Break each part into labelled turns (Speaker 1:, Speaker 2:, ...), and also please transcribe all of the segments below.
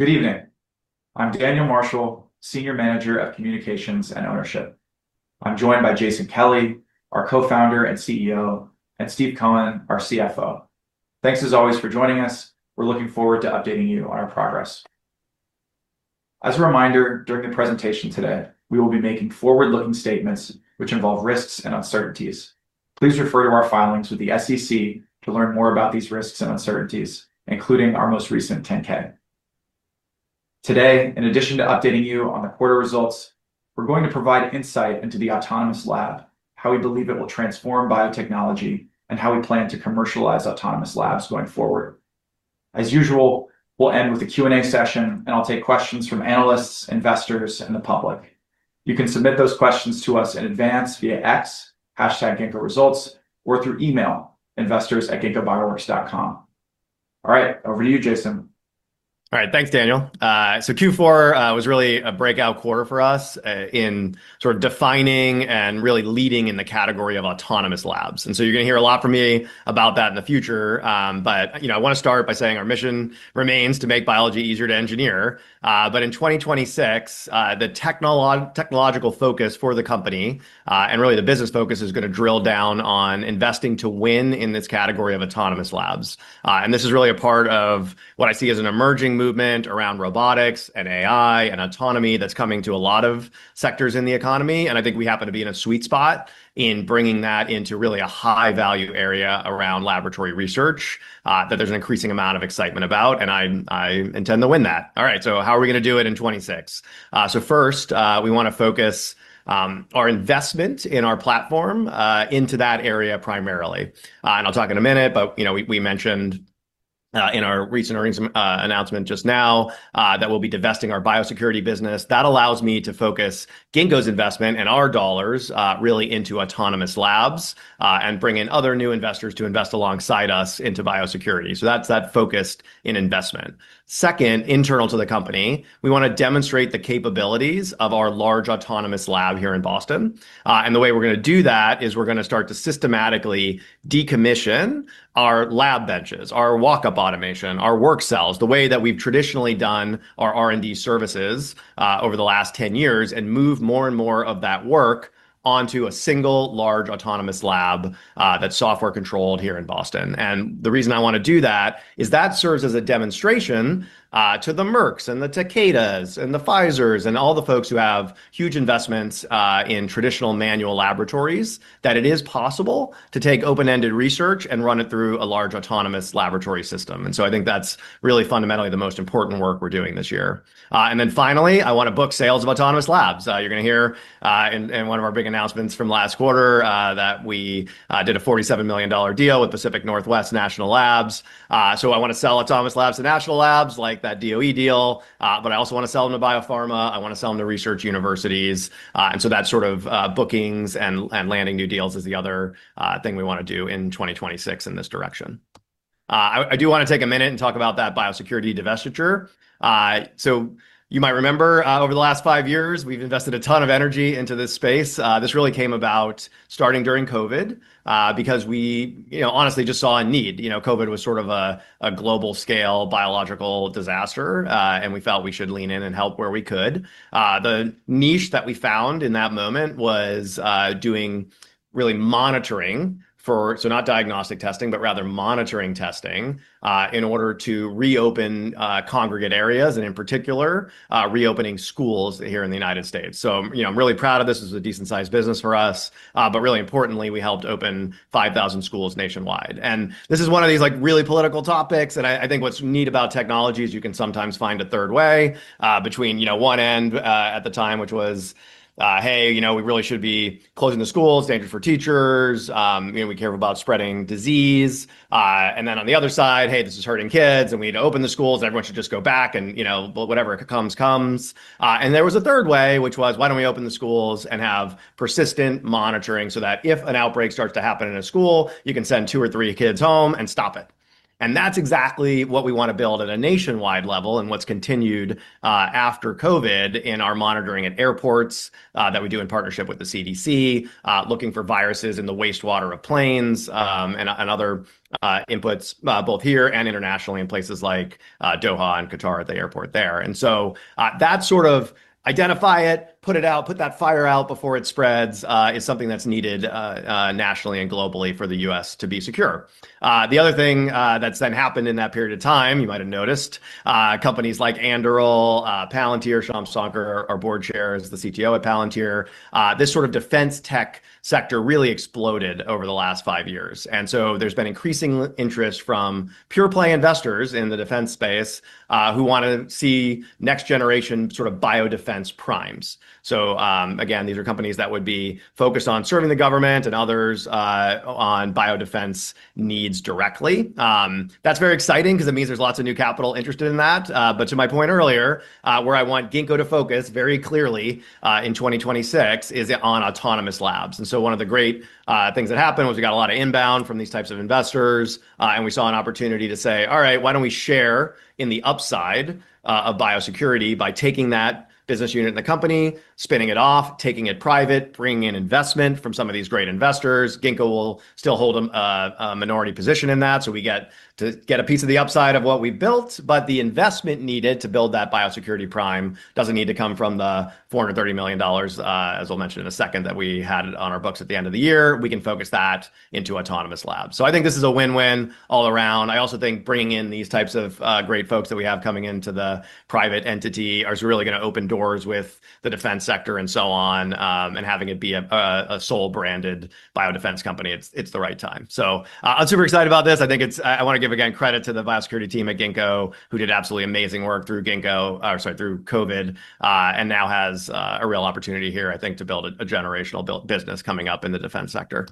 Speaker 1: Good evening. I'm Daniel Marshall, Senior Manager of Communications and Ownership. I'm joined by Jason Kelly, our co-founder and CEO, and Steve Coen, our CFO. Thanks as always for joining us. We're looking forward to updating you on our progress. As a reminder, during the presentation today, we will be making forward-looking statements which involve risks and uncertainties. Please refer to our filings with the SEC to learn more about these risks and uncertainties, including our most recent 10-K. Today, in addition to updating you on the quarter results, we're going to provide insight into the autonomous lab, how we believe it will transform biotechnology, and how we plan to commercialize autonomous labs going forward. As usual, we'll end with a Q&A session, I'll take questions from analysts, investors, and the public. You can submit those questions to us in advance via X, #GinkgoResults, or through email, investors@ginkgobioworks.com. All right, over to you, Jason.
Speaker 2: All right. Thanks, Daniel. Q4 was really a breakout quarter for us in sort of defining and really leading in the category of autonomous labs. You're gonna hear a lot from me about that in the future. You know, I want to start by saying our mission remains to make biology easier to engineer. In 2026, the technological focus for the company, and really the business focus is going to drill down on investing to win in this category of autonomous labs. This is really a part of what I see as an emerging movement around robotics and AI and autonomy that's coming to a lot of sectors in the economy. I think we happen to be in a sweet spot in bringing that into really a high-value area around laboratory research that there's an increasing amount of excitement about, I intend to win that. How are we going to do it in 26? First, we want to focus our investment in our platform into that area primarily. I'll talk in a minute, but, you know, we mentioned in our recent earnings announcement just now that we'll be divesting our biosecurity business. That allows me to focus Ginkgo's investment and our $ really into autonomous labs and bring in other new investors to invest alongside us into biosecurity. That's that focus in investment. Second, internal to the company, we want to demonstrate the capabilities of our large autonomous lab here in Boston. The way we're going to do that is we're going to start to systematically decommission our lab benches, our walk-up automation, our work cells, the way that we've traditionally done our R&D services over the last 10 years, and move more and more of that work onto a single large autonomous lab that's software-controlled here in Boston. The reason I want to do that is that serves as a demonstration to the Mercks and the Takedas and the Pfizers and all the folks who have huge investments in traditional manual laboratories, that it is possible to take open-ended research and run it through a large autonomous laboratory system. I think that's really fundamentally the most important work we're doing this year. Then finally, I want to book sales of autonomous labs. You're going to hear in one of our big announcements from last quarter, that we did a $47 million deal with Pacific Northwest National Laboratory. I want to sell autonomous labs to National Labs like that DOE deal, but I also want to sell them to biopharma. I want to sell them to research universities. That sort of bookings and landing new deals is the other thing we want to do in 2026 in this direction. I do want to take a minute and talk about that biosecurity divestiture. You might remember, over the last five years, we've invested a ton of energy into this space. This really came about starting during COVID, because we, you know, honestly just saw a need. You know, COVID was sort of a global scale biological disaster, and we felt we should lean in and help where we could. The niche that we found in that moment was doing really monitoring, so not diagnostic testing, but rather monitoring testing, in order to reopen congregate areas, and in particular, reopening schools here in the United States. You know, I'm really proud of this. This is a decent-sized business for us, but really importantly, we helped open 5,000 schools nationwide. This is one of these, like, really political topics. I think what's neat about technology is you can sometimes find a third way, between, you know, one end, at the time, which was, "Hey, you know, we really should be closing the schools, danger for teachers. You know, we care about spreading disease." Then on the other side, "Hey, this is hurting kids, and we need to open the schools. Everyone should just go back, and, you know, whatever comes." There was a third way, which was, "Why don't we open the schools and have persistent monitoring so that if an outbreak starts to happen in a school, you can send two or three kids home and stop it." That's exactly what we want to build at a nationwide level and what's continued after COVID in our monitoring at airports that we do in partnership with the CDC looking for viruses in the wastewater of planes, and other inputs both here and internationally in places like Doha and Qatar at the airport there. That sort of identify it, put it out, put that fire out before it spreads is something that's needed nationally and globally for the U.S. to be secure. The other thing that's then happened in that period of time, you might have noticed, companies like Anduril, Palantir, Shyam Sankar, our board chair, is the CTO at Palantir. This sort of defense tech sector really exploded over the last five years. There's been increasing interest from pure play investors in the defense space who want to see next generation sort of biodefense primes. Again, these are companies that would be focused on serving the government and others on biodefense needs directly. That's very exciting because it means there's lots of new capital interested in that. To my point earlier, where I want Ginkgo to focus very clearly in 2026 is on autonomous labs. One of the great things that happened was we got a lot of inbound from these types of investors, and we saw an opportunity to say, "All right, why don't we share in the upside of biosecurity by taking that business unit in the company, spinning it off, taking it private, bringing in investment from some of these great investors?" Ginkgo will still hold a minority position in that. We get to get a piece of the upside of what we've built, but the investment needed to build that biosecurity prime doesn't need to come from the $430 million, as I'll mention in a second, that we had on our books at the end of the year. We can focus that into autonomous labs. I think this is a win-win all around. I also think bringing in these types of great folks that we have coming into the private entity is really going to open doors with the defense sector and so on, and having it be a sole branded biodefense company. It's the right time. I'm super excited about this. I think I want to give again credit to the biosecurity team at Ginkgo, who did absolutely amazing work through Ginkgo, or sorry, through COVID, and now has a real opportunity here, I think, to build a generational built business coming up in the defense sector.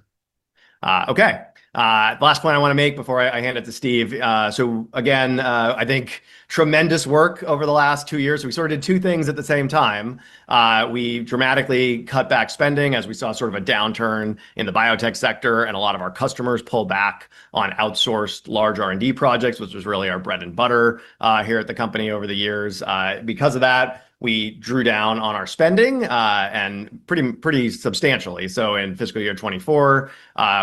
Speaker 2: Okay. The last point I want to make before I hand it to Steve. Again, I think tremendous work over the last two years. We sort of did two things at the same time. We dramatically cut back spending as we saw sort of a downturn in the biotech sector, and a lot of our customers pull back on outsourced large R&D projects, which was really our bread and butter here at the company over the years. Because of that, we drew down on our spending and pretty substantially. In fiscal year 2024,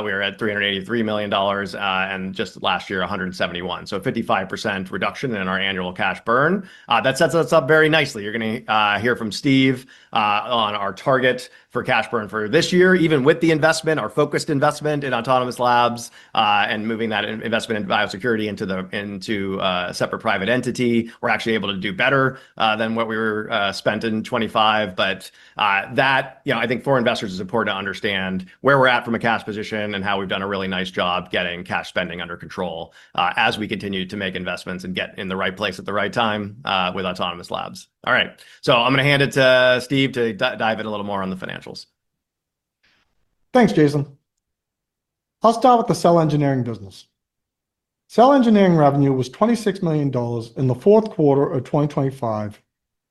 Speaker 2: we were at $383 million and just last year, $171 million. A 55% reduction in our annual cash burn. That sets us up very nicely. You're gonna hear from Steve on our target for cash burn for this year. Even with the investment, our focused investment in autonomous labs, and moving that investment into biosecurity, into the, into a separate private entity, we're actually able to do better than what we were spent in 2025. That, you know, I think for investors, it's important to understand where we're at from a cash position and how we've done a really nice job getting cash spending under control, as we continue to make investments and get in the right place at the right time, with autonomous labs. All right. I'm gonna hand it to Steve to dive in a little more on the financials.
Speaker 3: Thanks, Jason. I'll start with the cell engineering business. Cell engineering revenue was $26 million in the fourth quarter of 2025,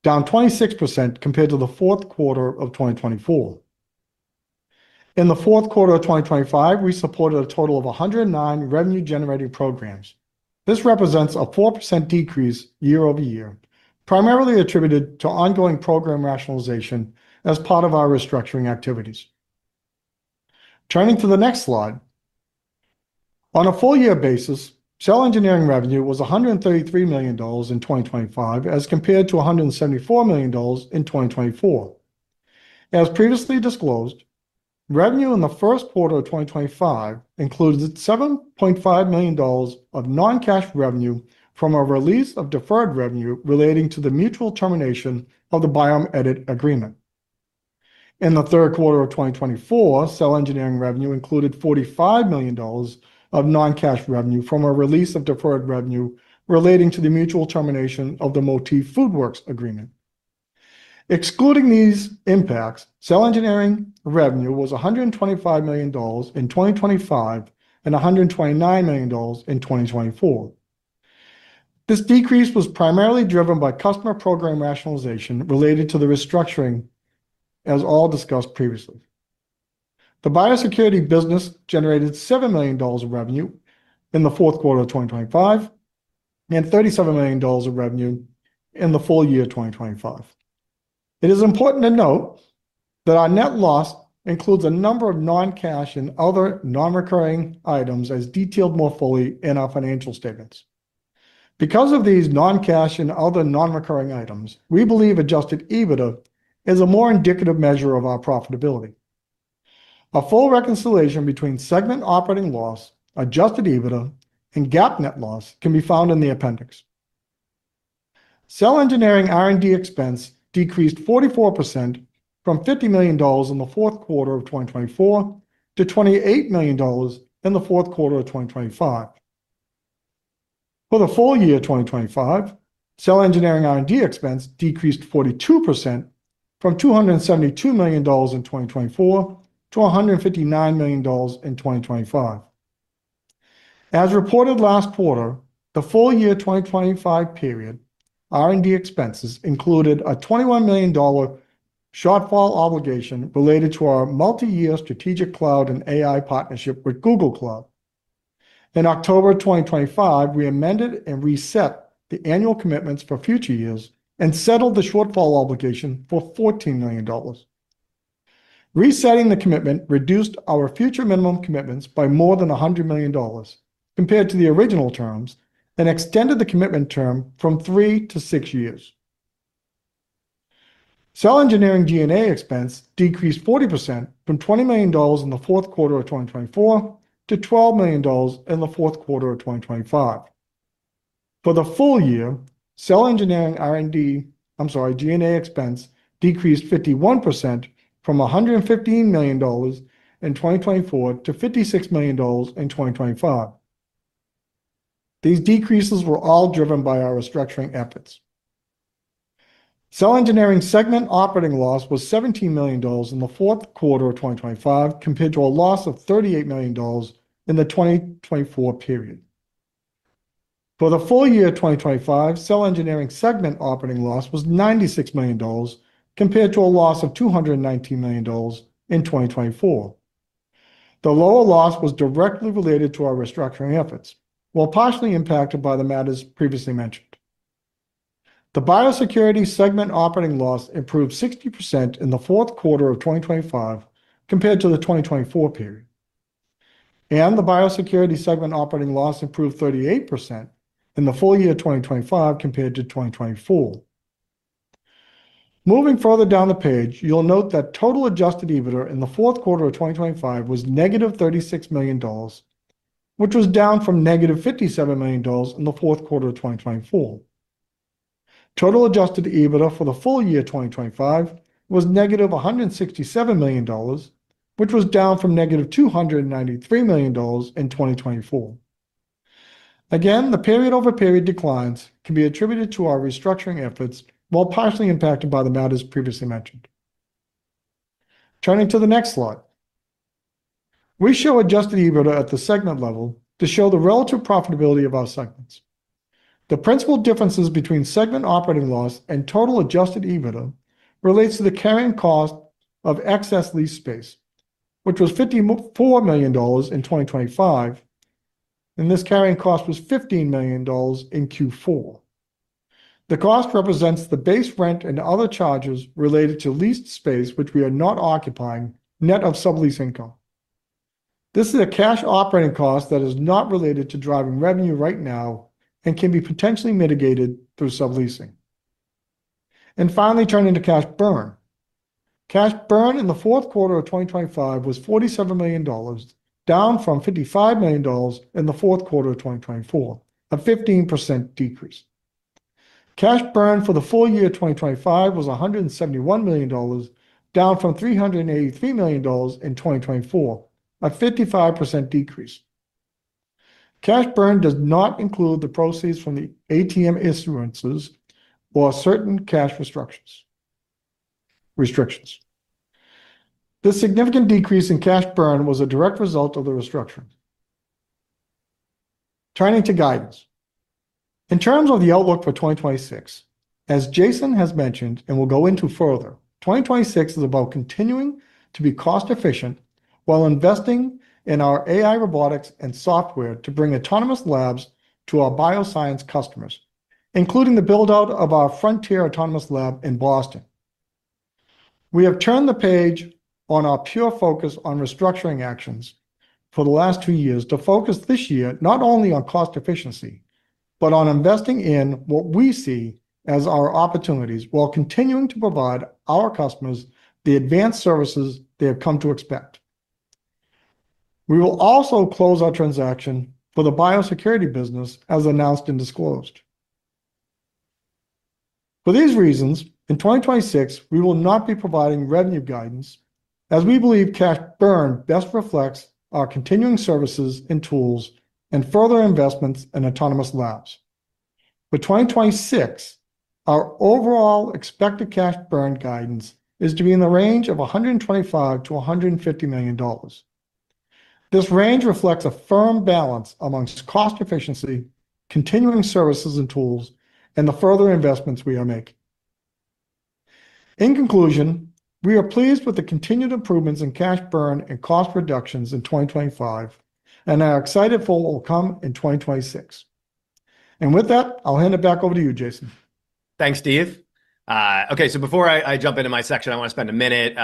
Speaker 3: down 26% compared to the fourth quarter of 2024. In the fourth quarter of 2025, we supported a total of 109 revenue-generating programs. This represents a 4% decrease year-over-year, primarily attributed to ongoing program rationalization as part of our restructuring activities. Turning to the next slide. On a full year basis, cell engineering revenue was $133 million in 2025, as compared to $174 million in 2024. As previously disclosed, revenue in the first quarter of 2025 included $7.5 million of non-cash revenue from a release of deferred revenue relating to the mutual termination of the BiomEdit agreement. In the third quarter of 2024, cell engineering revenue included $45 million of non-cash revenue from a release of deferred revenue relating to the mutual termination of the Motif FoodWorks agreement. Excluding these impacts, cell engineering revenue was $125 million in 2025 and $129 million in 2024. This decrease was primarily driven by customer program rationalization related to the restructuring, as all discussed previously. The biosecurity business generated $7 million of revenue in the fourth quarter of 2025 and $37 million of revenue in the full year 2025. It is important to note that our net loss includes a number of non-cash and other non-recurring items, as detailed more fully in our financial statements. Because of these non-cash and other non-recurring items, we believe Adjusted EBITDA is a more indicative measure of our profitability. A full reconciliation between segment operating loss, Adjusted EBITDA, and GAAP net loss can be found in the appendix. Cell engineering R&D expense decreased 44% from $50 million in the fourth quarter of 2024 to $28 million in the fourth quarter of 2025. For the full year 2025, cell engineering R&D expense decreased 42% from $272 million in 2024 to $159 million in 2025. As reported last quarter, the full year 2025 period, R&D expenses included a $21 million shortfall obligation related to our multi-year strategic cloud and AI partnership with Google Cloud. In October 2025, we amended and reset the annual commitments for future years and settled the shortfall obligation for $14 million. Resetting the commitment reduced our future minimum commitments by more than $100 million compared to the original terms, and extended the commitment term from three to six years. Cell engineering G&A expense decreased 40% from $20 million in the fourth quarter of 2024 to $12 million in the fourth quarter of 2025. For the full year, cell engineering G&A expense decreased 51% from $115 million in 2024 to $56 million in 2025. These decreases were all driven by our restructuring efforts. Cell engineering segment operating loss was $17 million in the fourth quarter of 2025, compared to a loss of $38 million in the 2024 period. For the full year 2025, cell engineering segment operating loss was $96 million, compared to a loss of $219 million in 2024. The lower loss was directly related to our restructuring efforts, while partially impacted by the matters previously mentioned. The biosecurity segment operating loss improved 60% in the fourth quarter of 2025 compared to the 2024 period, and the biosecurity segment operating loss improved 38% in the full year of 2025 compared to 2024. Moving further down the page, you'll note that total Adjusted EBITDA in the fourth quarter of 2025 was -$36 million, which was down from -$57 million in the fourth quarter of 2024. Total Adjusted EBITDA for the full year 2025 was negative $167 million, which was down from negative $293 million in 2024. The period-over-period declines can be attributed to our restructuring efforts, while partially impacted by the matters previously mentioned. Turning to the next slide, we show Adjusted EBITDA at the segment level to show the relative profitability of our segments. The principal differences between segment operating loss and total Adjusted EBITDA relates to the carrying cost of excess leased space, which was $4 million in 2025, and this carrying cost was $15 million in Q4. The cost represents the base rent and other charges related to leased space, which we are not occupying, net of sublease income. This is a cash operating cost that is not related to driving revenue right now and can be potentially mitigated through subleasing. Finally, turning to cash burn. Cash burn in the fourth quarter of 2025 was $47 million, down from $55 million in the fourth quarter of 2024, a 15% decrease. Cash burn for the full year 2025 was $171 million, down from $383 million in 2024, a 55% decrease. Cash burn does not include the proceeds from the ATM insurances or certain cash restrictions. The significant decrease in cash burn was a direct result of the restructuring. Turning to guidance. In terms of the outlook for 2026, as Jason has mentioned and will go into further, 2026 is about continuing to be cost-efficient while investing in our AI robotics and software to bring autonomous labs to our bioscience customers, including the build-out of our frontier autonomous lab in Boston. We have turned the page on our pure focus on restructuring actions for the last two years to focus this year not only on cost efficiency, but on investing in what we see as our opportunities, while continuing to provide our customers the advanced services they have come to expect. We will also close our transaction for the biosecurity business, as announced and disclosed. For these reasons, in 2026, we will not be providing revenue guidance, as we believe cash burn best reflects our continuing services and tools and further investments in autonomous labs. For 2026, our overall expected cash burn guidance is to be in the range of $125 million-$150 million. This range reflects a firm balance amongst cost efficiency, continuing services and tools, and the further investments we are making. In conclusion, we are pleased with the continued improvements in cash burn and cost reductions in 2025, and are excited for what will come in 2026. With that, I'll hand it back over to you, Jason.
Speaker 2: Thanks, Steve. Okay, before I jump into my section, I want to spend a minute,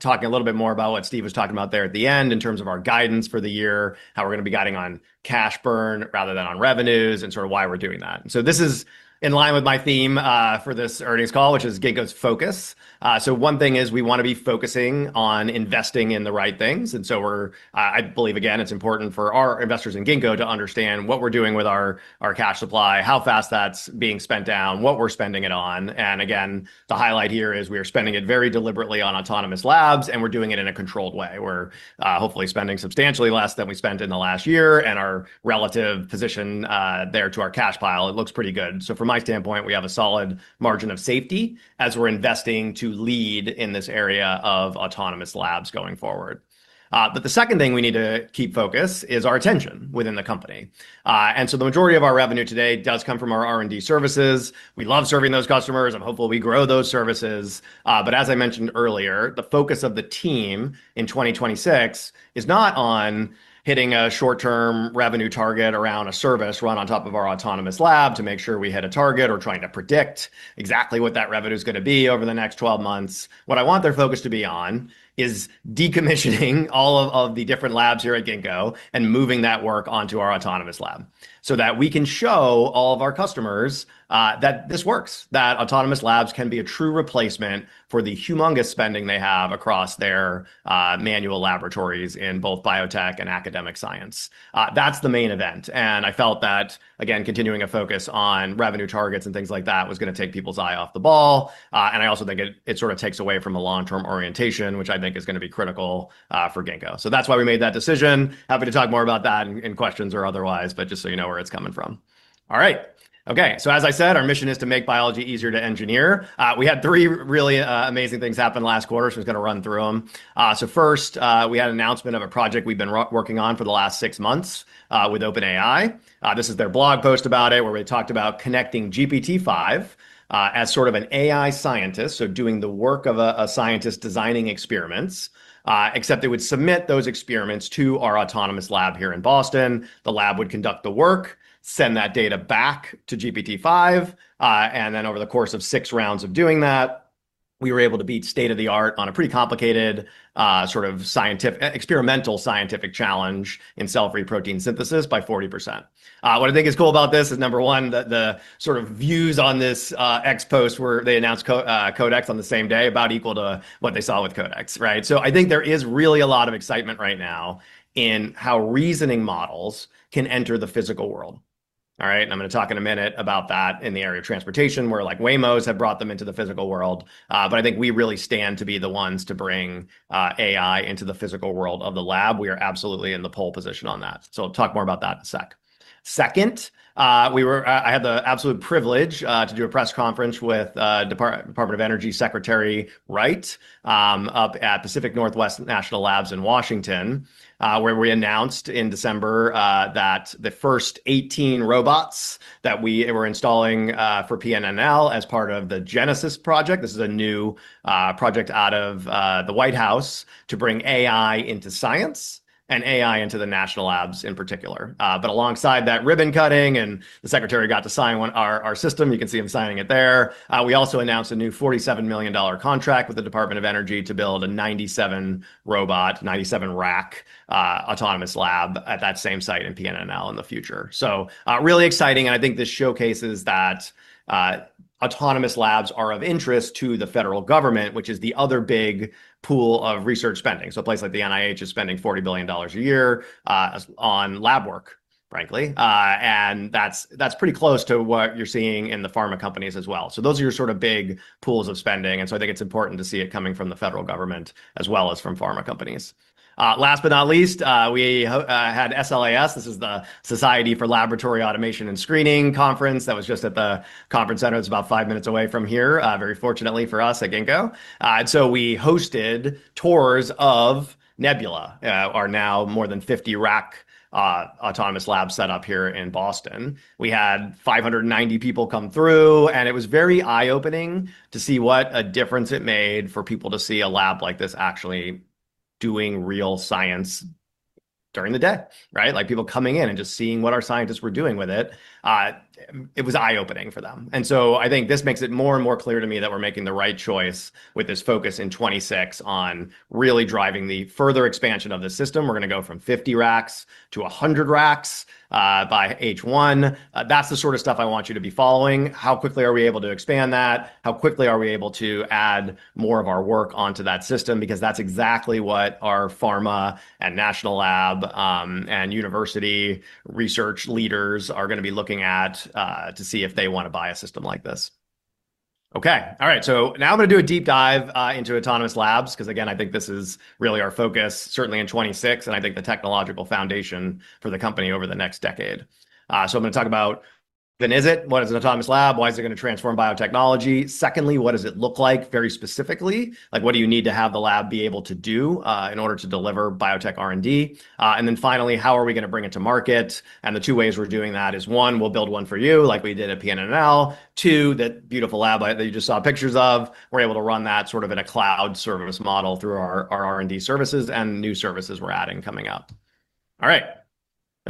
Speaker 2: talking a little bit more about what Steve was talking about there at the end in terms of our guidance for the year, how we're gonna be guiding on cash burn rather than on revenues, and sort of why we're doing that. This is in line with my theme, for this earnings call, which is Ginkgo's focus. One thing is we want to be focusing on investing in the right things, and so I believe, again, it's important for our investors in Ginkgo to understand what we're doing with our cash supply, how fast that's being spent down, what we're spending it on. Again, the highlight here is we are spending it very deliberately on autonomous labs, and we're doing it in a controlled way. We're hopefully spending substantially less than we spent in the last year, and our relative position there to our cash pile, it looks pretty good. From my standpoint, we have a solid margin of safety as we're investing to lead in this area of autonomous labs going forward. The second thing we need to keep focus is our attention within the company. The majority of our revenue today does come from our R&D services. We love serving those customers, and hopefully, we grow those services. As I mentioned earlier, the focus of the team in 2026 is not on hitting a short-term revenue target around a service run on top of our autonomous lab to make sure we hit a target or trying to predict exactly what that revenue is gonna be over the next 12 months. What I want their focus to be on is decommissioning all of the different labs here at Ginkgo and moving that work onto our autonomous lab, so that we can show all of our customers that this works, that autonomous labs can be a true replacement for the humongous spending they have across their manual laboratories in both biotech and academic science. That's the main event. I felt that, again, continuing a focus on revenue targets and things like that was gonna take people's eye off the ball. And I also think it sort of takes away from a long-term orientation, which I think is gonna be critical for Ginkgo. That's why we made that decision. Happy to talk more about that in questions or otherwise, but just so you know where it's coming from. All right. As I said, our mission is to make biology easier to engineer. We had three really amazing things happen last quarter, so I'm just gonna run through them. First, we had an announcement of a project we've been working on for the last six months with OpenAI. This is their blog post about it, where we talked about connecting GPT-5 as sort of an AI scientist, so doing the work of a scientist designing experiments, except they would submit those experiments to our autonomous lab here in Boston. The lab would conduct the work, send that data back to GPT-5, over the course of 6 rounds of doing that, we were able to beat state-of-the-art on a pretty complicated experimental scientific challenge in cell-free protein synthesis by 40%. What I think is cool about this is, number one, the sort of views on this X post, where they announced Codex on the same day, about equal to what they saw with Codex, right? I think there is really a lot of excitement right now in how reasoning models can enter the physical world. All right? I'm gonna talk in a minute about that in the area of transportation, where, like, Waymo have brought them into the physical world. I think we really stand to be the ones to bring AI into the physical world of the lab. We are absolutely in the pole position on that. I'll talk more about that in a sec. Second, I had the absolute privilege to do a press conference with Department of Energy Secretary Wright, up at Pacific Northwest National Labs in Washington, where we announced in December, that the first 18 robots that we were installing for PNNL as part of the Genesis project. This is a new project out of the White House to bring AI into science and AI into the national labs in particular. Alongside that ribbon-cutting, and the secretary got to sign one, our system, you can see him signing it there, we also announced a new $47 million contract with the Department of Energy to build a 97-robot, 97-rack autonomous lab at that same site in PNNL in the future. Really exciting, and I think this showcases that autonomous labs are of interest to the federal government, which is the other big pool of research spending. A place like the NIH is spending $40 billion a year on lab work, frankly. And that's pretty close to what you're seeing in the pharma companies as well. Those are your sort of big pools of spending, I think it's important to see it coming from the federal government as well as from pharma companies. Last but not least, we had SLAS. This is the Society for Laboratory Automation and Screening conference. That was just at the conference center. It's about five minutes away from here, very fortunately for us at Ginkgo. We hosted tours of Nebula, our now more than 50-rack autonomous lab set up here in Boston. We had 590 people come through, and it was very eye-opening to see what a difference it made for people to see a lab like this actually doing real science during the day, right? Like, people coming in and just seeing what our scientists were doing with it. It was eye-opening for them. I think this makes it more and more clear to me that we're making the right choice with this focus in 26 on really driving the further expansion of this system. We're gonna go from 50 racks to 100 racks, by H1. That's the sort of stuff I want you to be following. How quickly are we able to expand that? How quickly are we able to add more of our work onto that system? Because that's exactly what our pharma and national lab, and university research leaders are gonna be looking at, to see if they want to buy a system like this. Okay. All right, now I'm gonna do a deep dive into autonomous labs, 'cause again, I think this is really our focus, certainly in 2026, and I think the technological foundation for the company over the next decade. I'm gonna talk about, then, what is an autonomous lab? Why is it gonna transform biotechnology? Secondly, what does it look like very specifically? Like, what do you need to have the lab be able to do in order to deliver biotech R&D? Then finally, how are we gonna bring it to market? The two ways we're doing that is, one, we'll build one for you, like we did at PNNL. Two, that beautiful lab that you just saw pictures of, we're able to run that sort of in a cloud service model through our R&D services and new services we're adding coming up. All right.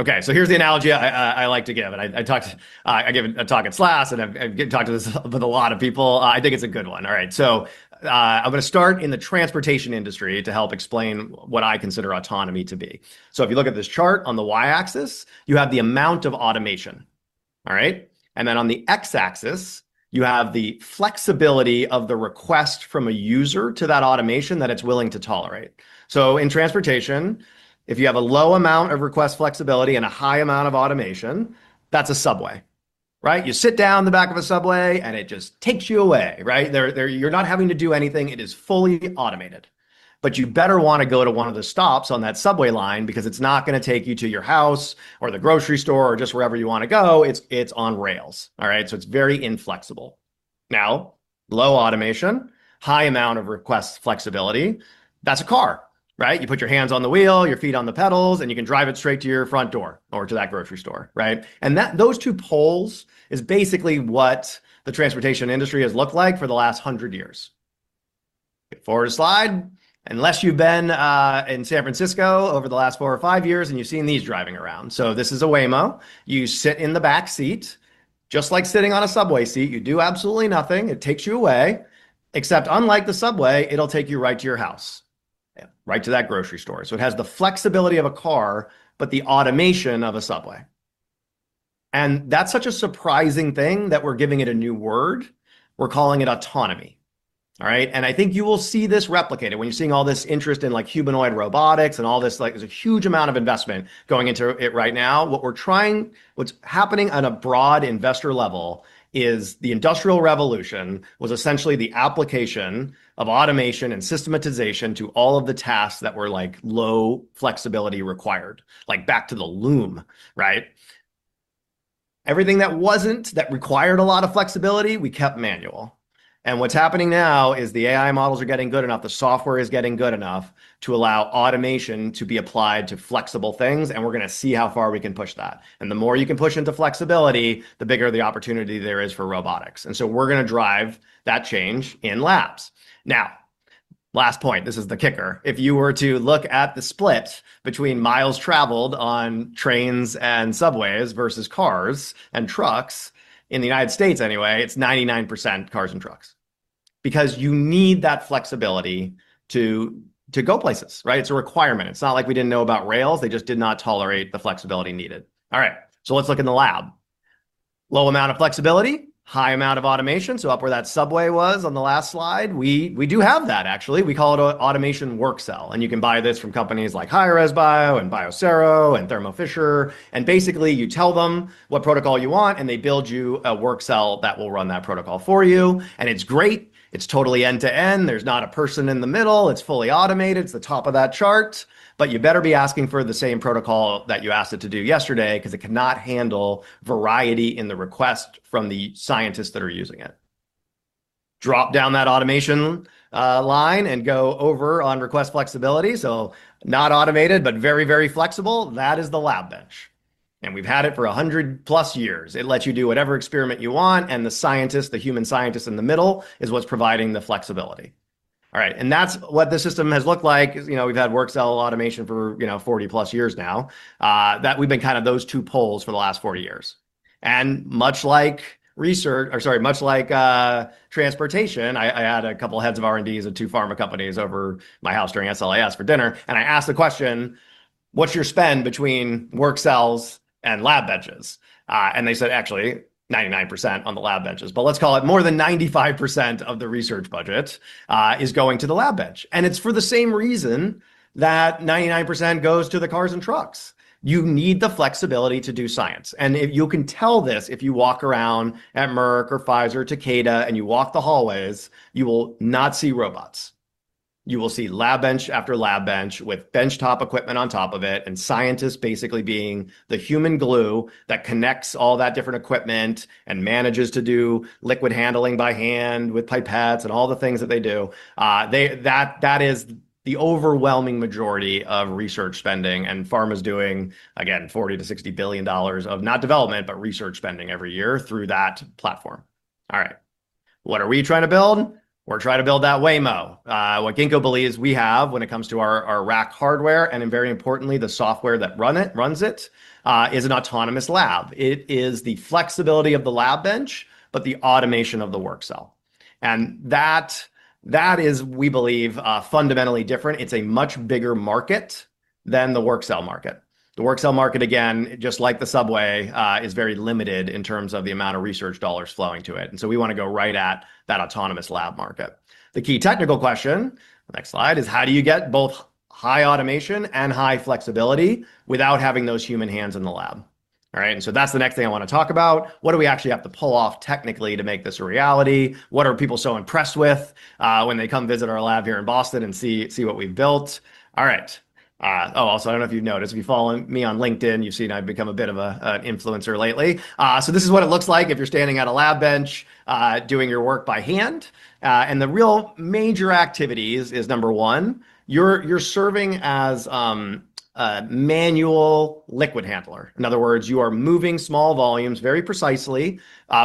Speaker 2: Here's the analogy I like to give, and I gave a talk at SLAS, and I've given talked to this with a lot of people. I think it's a good one. I'm gonna start in the transportation industry to help explain what I consider autonomy to be. If you look at this chart, on the Y-axis, you have the amount of automation. All right? On the X-axis, you have the flexibility of the request from a user to that automation that it's willing to tolerate. In transportation, if you have a low amount of request flexibility and a high amount of automation, that's a subway, right? You sit down in the back of a subway, and it just takes you away, right? There, you're not having to do anything. It is fully automated. You better want to go to one of the stops on that subway line because it's not gonna take you to your house or the grocery store or just wherever you want to go. It's on rails. All right? It's very inflexible. Low automation, high amount of request flexibility, that's a car, right? You put your hands on the wheel, your feet on the pedals, and you can drive it straight to your front door or to that grocery store, right? Those two poles is basically what the transportation industry has looked like for the last 100 years. Forward a slide. Unless you've been in San Francisco over the last four or five years, and you've seen these driving around. This is a Waymo. You sit in the back seat, just like sitting on a subway seat. You do absolutely nothing. It takes you away. Except unlike the subway, it'll take you right to your house, right to that grocery store. It has the flexibility of a car, but the automation of a subway. That's such a surprising thing that we're giving it a new word. We're calling it autonomy. All right? I think you will see this replicated when you're seeing all this interest in, like, humanoid robotics and all this, there's a huge amount of investment going into it right now. What's happening on a broad investor level is the Industrial Revolution was essentially the application of automation and systematization to all of the tasks that were, like, low flexibility required. Like, back to the loom, right? Everything that wasn't, that required a lot of flexibility, we kept manual. What's happening now is the AI models are getting good enough, the software is getting good enough to allow automation to be applied to flexible things, and we're gonna see how far we can push that. The more you can push into flexibility, the bigger the opportunity there is for robotics, and so we're gonna drive that change in labs. Now, last point, this is the kicker. If you were to look at the split between miles traveled on trains and subways versus cars and trucks, in the U.S. anyway, it's 99% cars and trucks. Because you need that flexibility to go places, right? It's a requirement. It's not like we didn't know about rails. They just did not tolerate the flexibility needed. All right, let's look in the lab. Low amount of flexibility, high amount of automation. Up where that subway was on the last slide, we do have that actually. We call it a automation work cell, and you can buy this from companies like HighRes Bio and Biosero and Thermo Fisher. Basically, you tell them what protocol you want, and they build you a work cell that will run that protocol for you. It's great. It's totally end-to-end. There's not a person in the middle. It's fully automated. It's the top of that chart, you better be asking for the same protocol that you asked it to do yesterday, 'cause it cannot handle variety in the request from the scientists that are using it. Drop down that automation line, go over on request flexibility. Not automated, but very, very flexible. That is the lab bench, we've had it for 100+ years. It lets you do whatever experiment you want, and the scientist, the human scientist in the middle, is what's providing the flexibility. All right, that's what the system has looked like. You know, we've had work cell automation for, you know, 40+ years now, that we've been kind of those two poles for the last 40 years. Much like research, or sorry, much like transportation, I had a couple of heads of R&Ds at two pharma companies over my house during SLAS for dinner. I asked the question: "What's your spend between work cells and lab benches?" They said, "Actually, 99% on the lab benches," but let's call it more than 95% of the research budget is going to the lab bench. It's for the same reason that 99% goes to the cars and trucks. You need the flexibility to do science. If you can tell this, if you walk around at Merck or Pfizer, Takeda, and you walk the hallways, you will not see robots. You will see lab bench after lab bench with benchtop equipment on top of it, and scientists basically being the human glue that connects all that different equipment and manages to do liquid handling by hand with pipettes and all the things that they do. That is the overwhelming majority of research spending, and pharma's doing, again, $40 billion-$60 billion of, not development, but research spending every year through that platform. All right. What are we trying to build? We're trying to build that Waymo. What Ginkgo believes we have when it comes to our rack hardware, and then very importantly, the software that runs it is an autonomous lab. It is the flexibility of the lab bench, but the automation of the work cell. That is, we believe, fundamentally different. It's a much bigger market than the work cell market. The work cell market, again, just like the subway, is very limited in terms of the amount of research dollars flowing to it, and so we wanna go right at that autonomous lab market. The key technical question, the next slide, is: How do you get both high automation and high flexibility without having those human hands in the lab? That's the next thing I wanna talk about. What do we actually have to pull off technically to make this a reality? What are people so impressed with when they come visit our lab here in Boston and see what we've built? Also, I don't know if you've noticed, if you've followed me on LinkedIn, you've seen I've become a bit of an influencer lately. This is what it looks like if you're standing at a lab bench, doing your work by hand. The real major activities is, number one, you're serving as a manual liquid handler. In other words, you are moving small volumes very precisely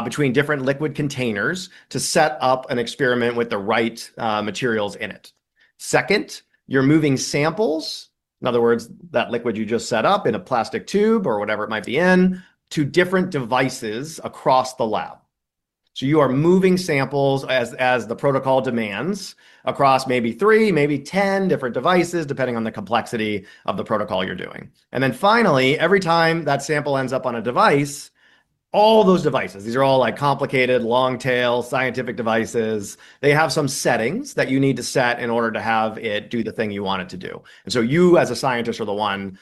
Speaker 2: between different liquid containers to set up an experiment with the right materials in it. Second, you're moving samples, in other words, that liquid you just set up in a plastic tube or whatever it might be in, to different devices across the lab. You are moving samples as the protocol demands across maybe three, maybe 10 different devices, depending on the complexity of the protocol you're doing. Finally, every time that sample ends up on a device, all those devices, these are all like complicated, long-tail scientific devices. They have some settings that you need to set in order to have it do the thing you want it to do. You, as a scientist, are the one,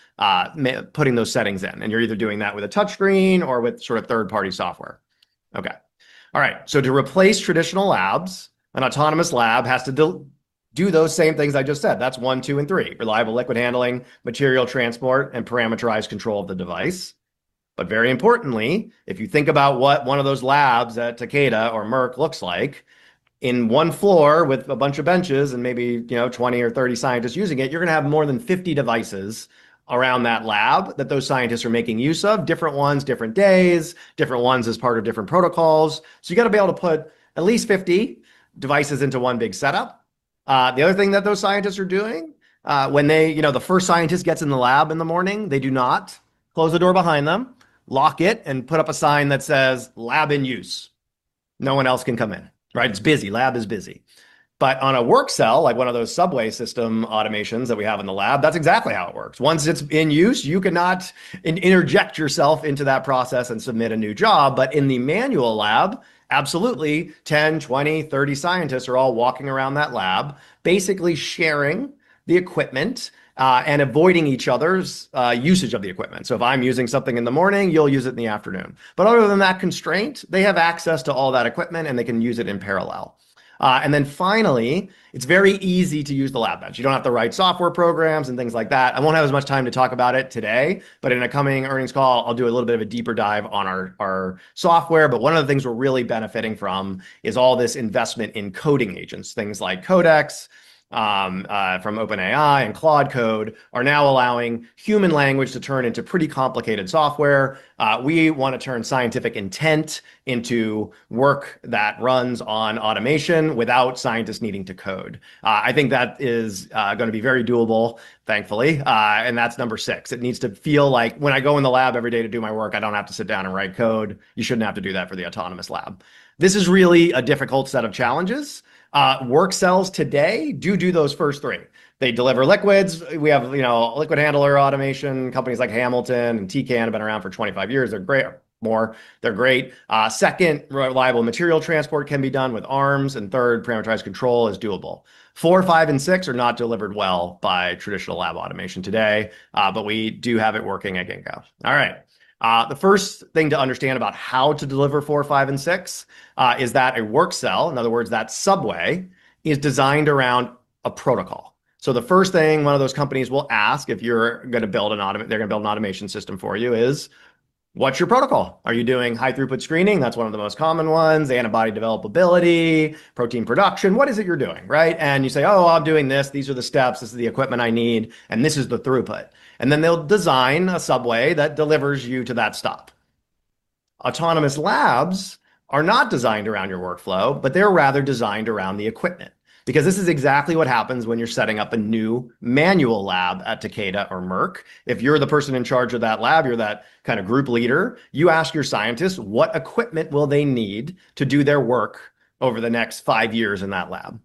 Speaker 2: putting those settings in, and you're either doing that with a touch screen or with sort of third-party software. Okay. All right. To replace traditional labs, an autonomous lab has to do those same things I just said. That's one, two, and three: reliable liquid handling, material transport, and parameterized control of the device. Very importantly, if you think about what one of those labs at Takeda or Merck looks like, in one floor with a bunch of benches and maybe, you know, 20 or 30 scientists using it, you're gonna have more than 50 devices around that lab that those scientists are making use of, different ones, different days, different ones as part of different protocols. You gotta be able to put at least 50 devices into one big setup. The other thing that those scientists are doing, when they, you know, the first scientist gets in the lab in the morning, they do not close the door behind them, lock it, and put up a sign that says, "Lab in use." No one else can come in, right? It's busy. Lab is busy. On a work cell, like one of those subway system automations that we have in the lab, that's exactly how it works. Once it's in use, you cannot interject yourself into that process and submit a new job. In the manual lab, absolutely, 10, 20, 30 scientists are all walking around that lab, basically sharing the equipment, and avoiding each other's usage of the equipment. If I'm using something in the morning, you'll use it in the afternoon. Other than that constraint, they have access to all that equipment, and they can use it in parallel. Then finally, it's very easy to use the lab bench. You don't have to write software programs and things like that. I won't have as much time to talk about it today, but in a coming earnings call, I'll do a little bit of a deeper dive on our software. One of the things we're really benefiting from is all this investment in coding agents. Things like Codex from OpenAI and Claude Code are now allowing human language to turn into pretty complicated software. We wanna turn scientific intent into work that runs on automation without scientists needing to code. I think that is gonna be very doable, thankfully, and that's number six. It needs to feel like when I go in the lab every day to do my work, I don't have to sit down and write code. You shouldn't have to do that for the autonomous lab. This is really a difficult set of challenges. Work cells today do those first three. They deliver liquids. We have, you know, liquid handler automation. Companies like Hamilton and Tecan have been around for 25 years. They're great. They're great. Second, reliable material transport can be done with arms, and third, parameterized control is doable. Four, five, and six are not delivered well by traditional lab automation today, but we do have it working at Ginkgo. All right, the first thing to understand about how to deliver four, five, and six, is that a work cell, in other words, that subway, is designed around a protocol. The first thing one of those companies will ask if you're gonna build an automation system for you, is "What's your protocol? Are you doing high-throughput screening?" That's one of the most common ones. Antibody developability, protein production. What is it you're doing, right? You say, "Oh, well, I'm doing this. These are the steps, this is the equipment I need, and this is the throughput." Then they'll design a subway that delivers you to that stop. Autonomous labs are not designed around your workflow, but they're rather designed around the equipment. This is exactly what happens when you're setting up a new manual lab at Takeda or Merck. If you're the person in charge of that lab, you're that kind of group leader, you ask your scientists what equipment will they need to do their work over the next five years in that lab.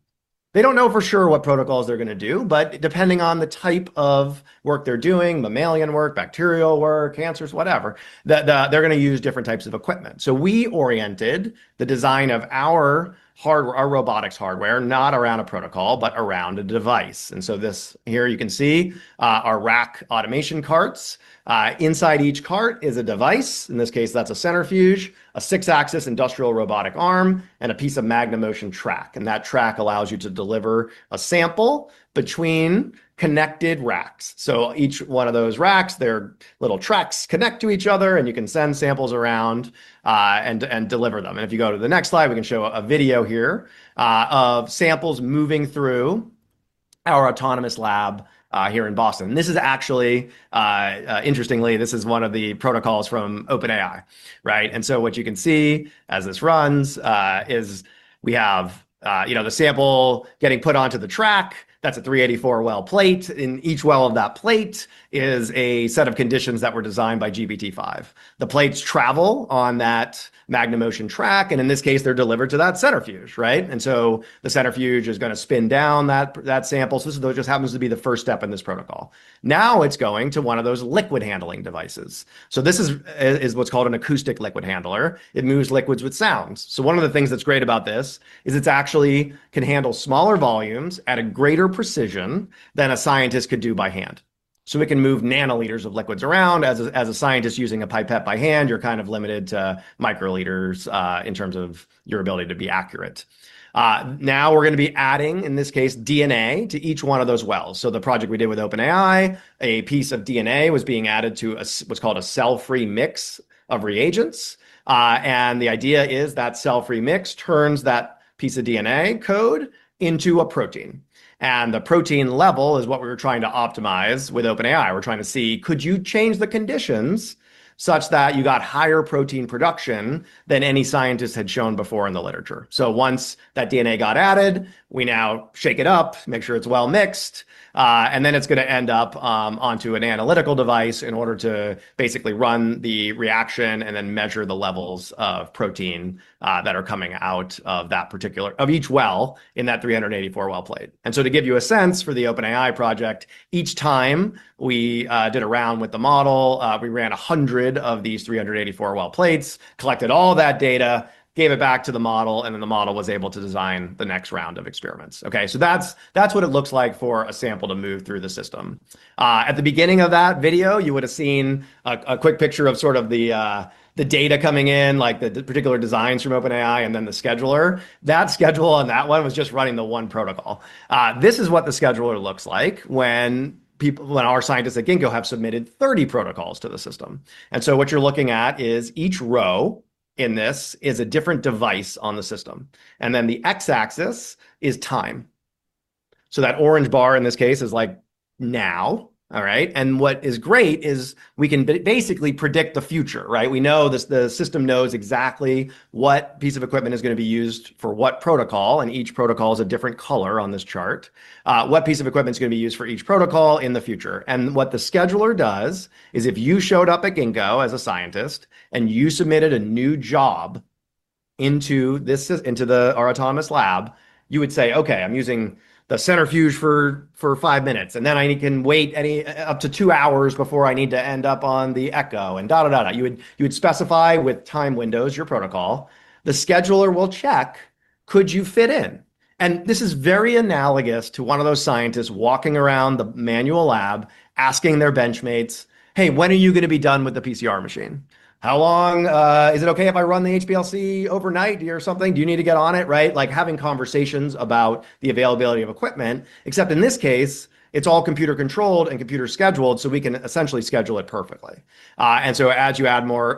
Speaker 2: They don't know for sure what protocols they're gonna do, but depending on the type of work they're doing, mammalian work, bacterial work, cancers, whatever, they're gonna use different types of equipment. we oriented the design of our robotics hardware, not around a protocol, but around a device. this here, you can see, our rack automation carts. Inside each cart is a device. In this case, that's a centrifuge, a six-axis industrial robotic arm, and a piece of Magnum Motion track. That track allows you to deliver a sample between connected racks. Each one of those racks, their little tracks connect to each other, and you can send samples around, and deliver them. If you go to the next slide, we can show a video here, of samples moving through our autonomous lab, here in Boston. This is actually, interestingly, this is one of the protocols from OpenAI, right? What you can see as this runs is we have, you know, the sample getting put onto the track. That's a 384 well plate. In each well of that plate is a set of conditions that were designed by GPT-5. The plates travel on that Magnum Motion track, and in this case, they're delivered to that centrifuge, right? The centrifuge is gonna spin down that sample. This just happens to be the 1st step in this protocol. Now it's going to one of those liquid handling devices. This is what's called an acoustic liquid handler. It moves liquids with sounds. One of the things that's great about this is it's actually can handle smaller volumes at a greater precision than a scientist could do by hand. It can move nanoliters of liquids around. As a scientist using a pipette by hand, you're kind of limited to microliters in terms of your ability to be accurate. Now we're gonna be adding, in this case, DNA to each one of those wells. The project we did with OpenAI, a piece of DNA was being added to a what's called a cell-free mix of reagents. The idea is that cell-free mix turns that piece of DNA code into a protein, and the protein level is what we were trying to optimize with OpenAI. We're trying to see, could you change the conditions such that you got higher protein production than any scientist had shown before in the literature? Once that DNA got added, we now shake it up, make sure it's well mixed, and then it's going to end up onto an analytical device in order to basically run the reaction and then measure the levels of protein that are coming out of that particular of each well in that 384 well plate. To give you a sense for the OpenAI project, each time we did a round with the model, we ran 100 of these 384 well plates, collected all that data, gave it back to the model, and then the model was able to design the next round of experiments. Okay, that's what it looks like for a sample to move through the system. At the beginning of that video, you would have seen a quick picture of sort of the data coming in, like the particular designs from OpenAI and then the scheduler. That schedule on that one was just running the one protocol. This is what the scheduler looks like when our scientists at Ginkgo have submitted 30 protocols to the system. What you're looking at is each row in this is a different device on the system, and then the X-axis is time. That orange bar in this case is like now. All right? What is great is we can basically predict the future, right? We know the system knows exactly what piece of equipment is gonna be used for what protocol, and each protocol is a different color on this chart. What piece of equipment is gonna be used for each protocol in the future. What the scheduler does is, if you showed up at Ginkgo as a scientist, and you submitted a new job into the, our autonomous lab, you would say, "Okay, I'm using the centrifuge for five minutes, and then I can wait any, up to two hours before I need to end up on the Echo," and da, da. You would specify with time windows, your protocol. The scheduler will check, could you fit in? This is very analogous to one of those scientists walking around the manual lab asking their bench mates, "Hey, when are you gonna be done with the PCR machine? How long? Is it okay if I run the HPLC overnight or something? Do you need to get on it?" Right? Like having conversations about the availability of equipment, except in this case, it's all computer-controlled and computer-scheduled, so we can essentially schedule it perfectly. As you add more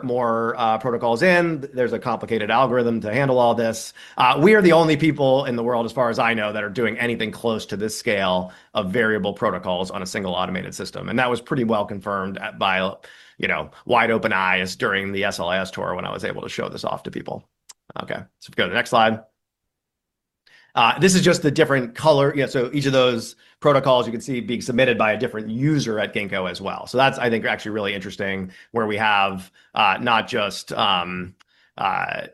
Speaker 2: protocols in, there's a complicated algorithm to handle all this. We are the only people in the world, as far as I know, that are doing anything close to this scale of variable protocols on a single automated system. That was pretty well confirmed by, you know, wide-open eyes during the SLAS tour when I was able to show this off to people. If you go to the next slide. This is just the different color. Yeah, each of those protocols, you can see being submitted by a different user at Ginkgo as well. That's, I think, actually really interesting, where we have, not just like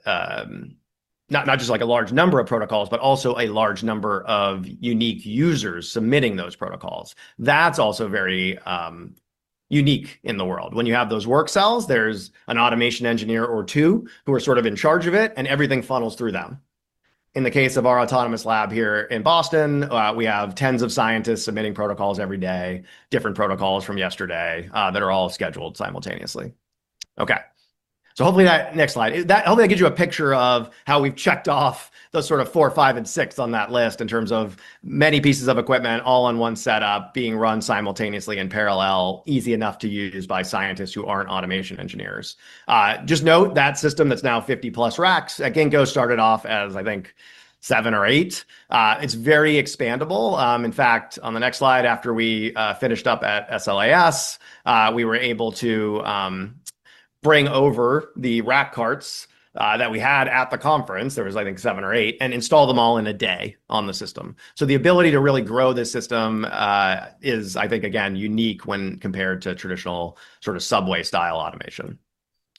Speaker 2: a large number of protocols, but also a large number of unique users submitting those protocols. That's also very unique in the world. When you have those work cells, there's an automation engineer or two who are sort of in charge of it, and everything funnels through them. In the case of our autonomous lab here in Boston, we have tens of scientists submitting protocols every day, different protocols from yesterday, that are all scheduled simultaneously. Okay. Hopefully that, next slide. That, hopefully that gives you a picture of how we've checked off those sort of four, five, and six on that list in terms of many pieces of equipment all on one setup being run simultaneously in parallel, easy enough to use by scientists who aren't automation engineers. Just note, that system that's now 50+ racks, again, Ginkgo started off as, I think, seven or eight. It's very expandable. In fact, on the next slide, after we finished up at SLAS, we were able to bring over the rack carts that we had at the conference, there was, I think, seven or eight, and install them all in a day on the system. The ability to really grow this system is, I think, again, unique when compared to traditional sort of subway-style automation.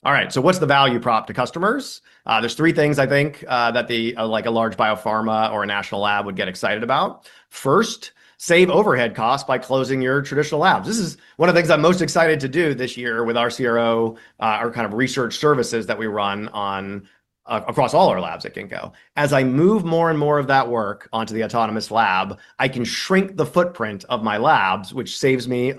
Speaker 2: All right, what's the value prop to customers? There's three things I think that the like a large biopharma or a national lab would get excited about. First, save overhead costs by closing your traditional labs. This is one of the things I'm most excited to do this year with our CRO, our kind of research services that we run across all our labs at Ginkgo. As I move more and more of that work onto the autonomous lab, I can shrink the footprint of my labs, which saves me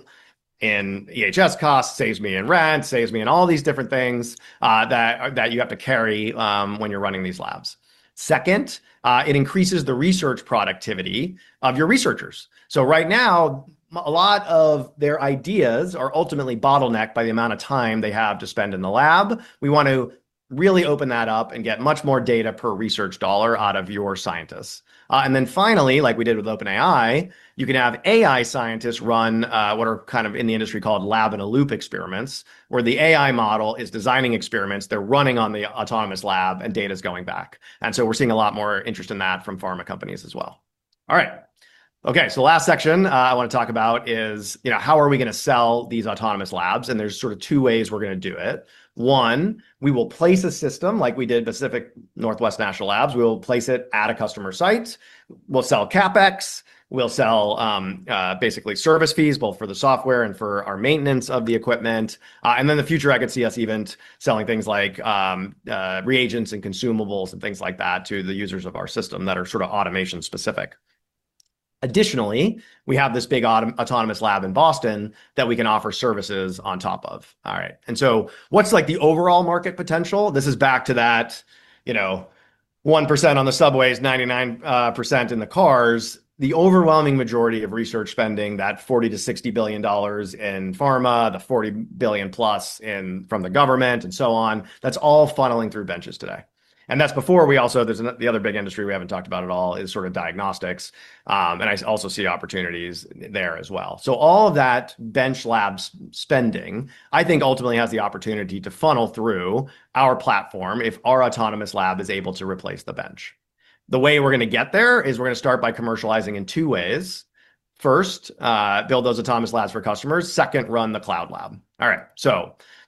Speaker 2: in EHS costs, saves me in rent, saves me in all these different things, that you have to carry, when you're running these labs. Second, it increases the research productivity of your researchers. Right now, a lot of their ideas are ultimately bottlenecked by the amount of time they have to spend in the lab. We want to really open that up and get much more data per research dollar out of your scientists. Finally, like we did with OpenAI, you can have AI scientists run what are kind of in the industry called lab in a loop experiments, where the AI model is designing experiments, they're running on the autonomous lab, and data's going back. We're seeing a lot more interest in that from pharma companies as well. All right. Okay, the last section I wanna talk about is, you know, how are we gonna sell these autonomous labs? There's sort of two ways we're gonna do it. One, we will place a system like we did Pacific Northwest National Labs. We'll place it at a customer site. We'll sell CapEx, we'll sell, basically service fees, both for the software and for our maintenance of the equipment. In the future, I could see us even selling things like, reagents and consumables and things like that to the users of our system that are sort of automation-specific. Additionally, we have this big autonomous lab in Boston that we can offer services on top of. All right. So what's, like, the overall market potential? This is back to that, you know, 1% on the subways, 99% in the cars. The overwhelming majority of research spending, that $40 billion-$60 billion in pharma, the $40 billion+ from the government and so on, that's all funneling through benches today. That's before we also... the other big industry we haven't talked about at all is sort of diagnostics, and I also see opportunities there as well. All of that bench labs spending, I think, ultimately has the opportunity to funnel through our platform if our autonomous lab is able to replace the bench. The way we're gonna get there is we're gonna start by commercializing in two ways. First, build those autonomous labs for customers. Second, run the cloud lab. All right.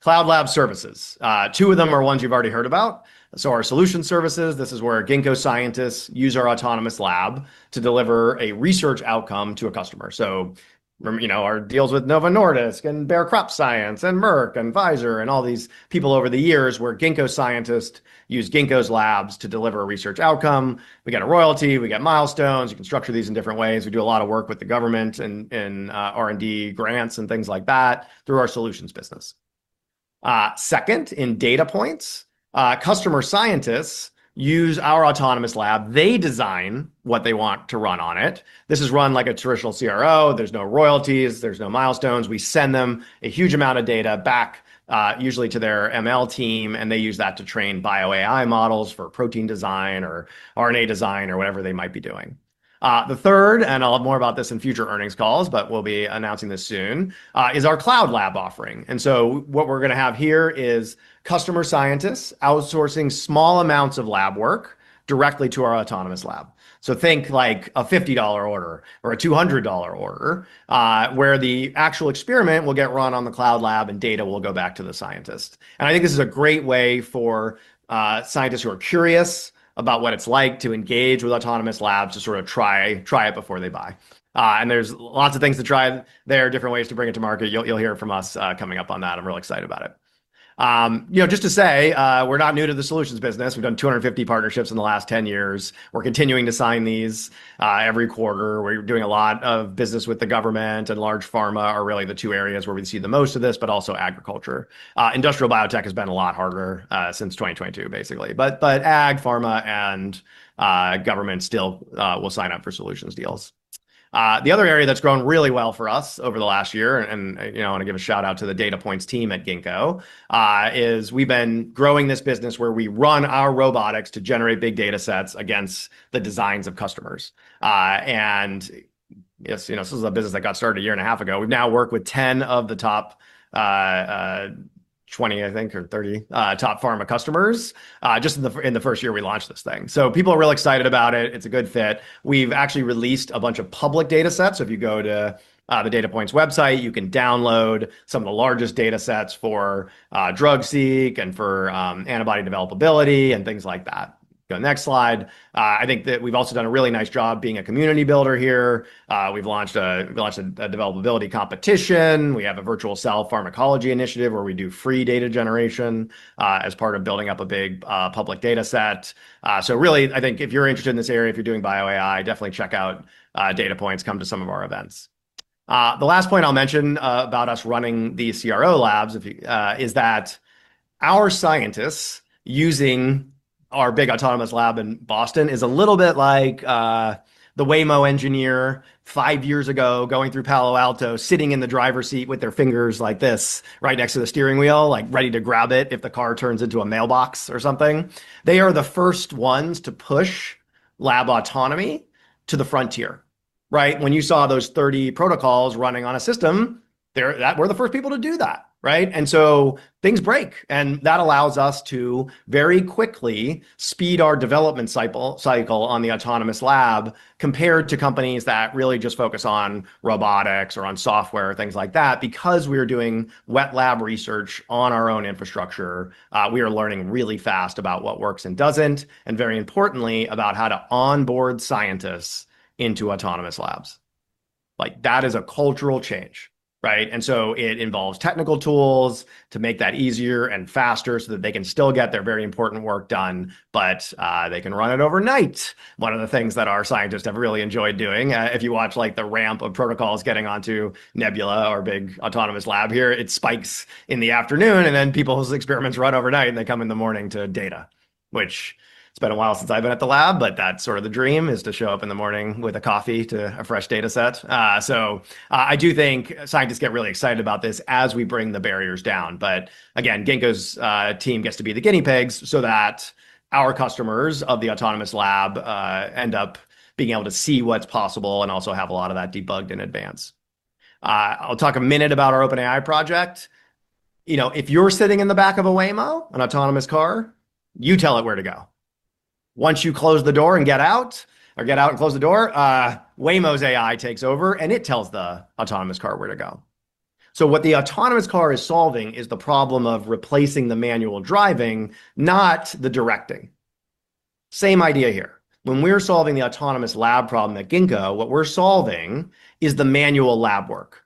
Speaker 2: Cloud lab services. Two of them are ones you've already heard about. Our solution services, this is where Ginkgo scientists use our autonomous lab to deliver a research outcome to a customer. you know, our deals with Novo Nordisk, and Bayer Crop Science, and Merck, and Pfizer, and all these people over the years, where Ginkgo scientists use Ginkgo's labs to deliver a research outcome. We get a royalty, we get milestones. You can structure these in different ways. We do a lot of work with the government and R&D grants and things like that through our solutions business. Second, in Ginkgo Datapoints, customer scientists use our autonomous lab. They design what they want to run on it. This is run like a traditional CRO. There's no royalties, there's no milestones. We send them a huge amount of data back, usually to their ML team, and they use that to train bioAI models for protein design or RNA design or whatever they might be doing. The third, and I'll have more about this in future earnings calls, but we'll be announcing this soon, is our cloud lab offering. What we're gonna have here is customer scientists outsourcing small amounts of lab work directly to our autonomous lab. Think like a $50 order or a $200 order, where the actual experiment will get run on the cloud lab and data will go back to the scientist. I think this is a great way for scientists who are curious about what it's like to engage with autonomous labs to sort of try it before they buy. There's lots of things to try there, different ways to bring it to market. You'll hear it from us coming up on that. I'm really excited about it. You know, just to say, we're not new to the solutions business. We've done 250 partnerships in the last 10 years. We're continuing to sign these every quarter. We're doing a lot of business with the government and large pharma are really the two areas where we see the most of this, but also agriculture. Industrial biotech has been a lot harder since 2022, basically. Ag, pharma, and government still will sign up for solutions deals. The other area that's grown really well for us over the last year, and, you know, I want to give a shout-out to the Datapoints team at Ginkgo, is we've been growing this business where we run our robotics to generate big data sets against the designs of customers. This, you know, this is a business that got started a year and a half ago. We've now worked with 10 of the top 20, I think, or 30 top pharma customers, just in the first year we launched this thing. People are really excited about it. It's a good fit. We've actually released a bunch of public data sets. If you go to the Data Points website, you can download some of the largest data sets for drug seek and for antibody developability and things like that. Go next slide. I think that we've also done a really nice job being a community builder here. We've launched a developability competition. We have a Virtual Cell Pharmacology Initiative, where we do free data generation, as part of building up a big, public data set. Really, I think if you're interested in this area, if you're doing bioAI, definitely check out, Data Points, come to some of our events. The last point I'll mention, about us running the CRO labs, if you, is that our scientists using our big autonomous lab in Boston is a little bit like, the Waymo engineer five years ago, going through Palo Alto, sitting in the driver's seat with their fingers like this, right next to the steering wheel, like, ready to grab it if the car turns into a mailbox or something. They are the first ones to push lab autonomy to the frontier, right? When you saw those 30 protocols running on a system, we're the first people to do that, right? Things break, and that allows us to very quickly speed our development cycle on the autonomous lab, compared to companies that really just focus on robotics or on software, things like that. Because we are doing wet lab research on our own infrastructure, we are learning really fast about what works and doesn't, and very importantly, about how to onboard scientists into autonomous labs. Like, that is a cultural change, right? It involves technical tools to make that easier and faster so that they can still get their very important work done, but they can run it overnight. One of the things that our scientists have really enjoyed doing, if you watch, like, the ramp of protocols getting onto Nebula, our big autonomous lab here, it spikes in the afternoon, and then people's experiments run overnight, and they come in the morning to data. Which it's been a while since I've been at the lab, but that's sort of the dream, is to show up in the morning with a coffee to a fresh dataset. I do think scientists get really excited about this as we bring the barriers down. Again, Ginkgo's team gets to be the guinea pigs so that our customers of the autonomous lab end up being able to see what's possible and also have a lot of that debugged in advance. I'll talk a minute about our OpenAI project. You know, if you're sitting in the back of a Waymo, an autonomous car, you tell it where to go. Once you close the door and get out, or get out and close the door, Waymo's AI takes over, and it tells the autonomous car where to go. What the autonomous car is solving is the problem of replacing the manual driving, not the directing. Same idea here. When we're solving the autonomous lab problem at Ginkgo, what we're solving is the manual lab work,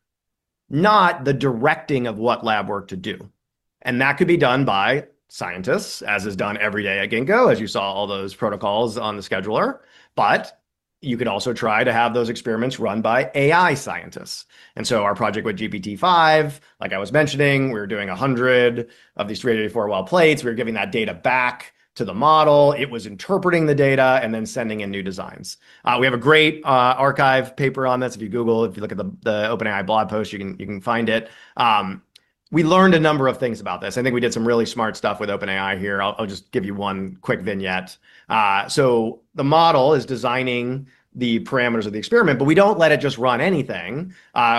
Speaker 2: not the directing of what lab work to do, and that could be done by scientists, as is done every day at Ginkgo, as you saw all those protocols on the scheduler. You could also try to have those experiments run by AI scientists. Our project with GPT-5, like I was mentioning, we were doing 100 of these 384 well plates. We were giving that data back to the model. It was interpreting the data and then sending in new designs. We have a great archive paper on this. If you Google, if you look at the OpenAI blog post, you can find it. We learned a number of things about this. I think we did some really smart stuff with OpenAI here. I'll just give you one quick vignette. The model is designing the parameters of the experiment, but we don't let it just run anything.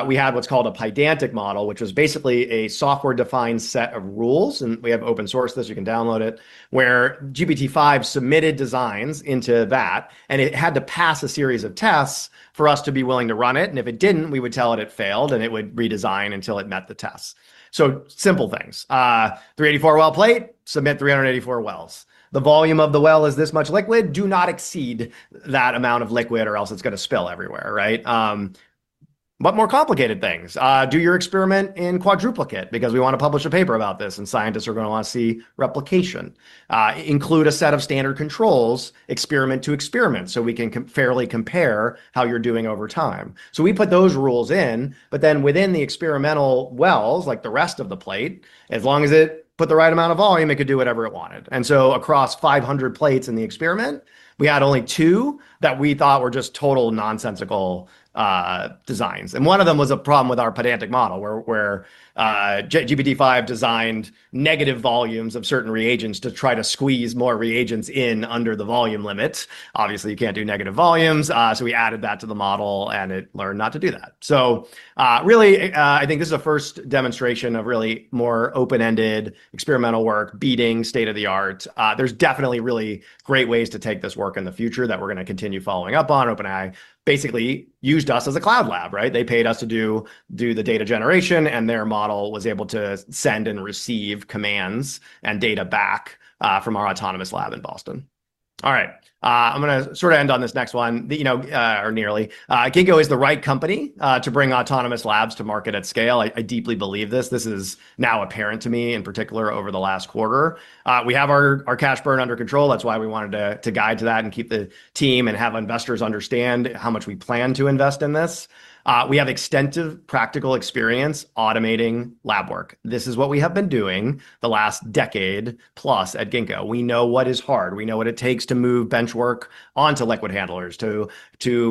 Speaker 2: We have what's called a pedantic model, which was basically a software-defined set of rules, and we have open-sourced this, you can download it, where GPT-5 submitted designs into that, and it had to pass a series of tests for us to be willing to run it, and if it didn't, we would tell it it failed, and it would redesign until it met the tests. Simple things. 384 well plate, submit 384 wells. The volume of the well is this much liquid, do not exceed that amount of liquid, or else it's gonna spill everywhere, right? More complicated things. Do your experiment in quadruplicate because we want to publish a paper about this, and scientists are gonna wanna see replication. Include a set of standard controls, experiment to experiment, so we can fairly compare how you're doing over time. We put those rules in, but then within the experimental wells, like the rest of the plate, as long as it put the right amount of volume, it could do whatever it wanted. Across 500 plates in the experiment, we had only two that we thought were just total nonsensical designs. One of them was a problem with our pedantic model, where GPT-5 designed negative volumes of certain reagents to try to squeeze more reagents in under the volume limit. Obviously, you can't do negative volumes, so we added that to the model, and it learned not to do that. Really, I think this is a first demonstration of really more open-ended experimental work, beating state-of-the-art. There's definitely really great ways to take this work in the future that we're going to continue following up on. OpenAI basically used us as a cloud lab, right? They paid us to do the data generation, and their model was able to send and receive commands and data back from our autonomous lab in Boston. I'm going to sort of end on this next one, you know, or nearly. Ginkgo is the right company to bring autonomous labs to market at scale. I deeply believe this. This is now apparent to me, in particular, over the last quarter. We have our cash burn under control. That's why we wanted to guide to that and keep the team and have investors understand how much we plan to invest in this. We have extensive practical experience automating lab work. This is what we have been doing the last decade plus at Ginkgo. We know what is hard. We know what it takes to move bench work onto liquid handlers, to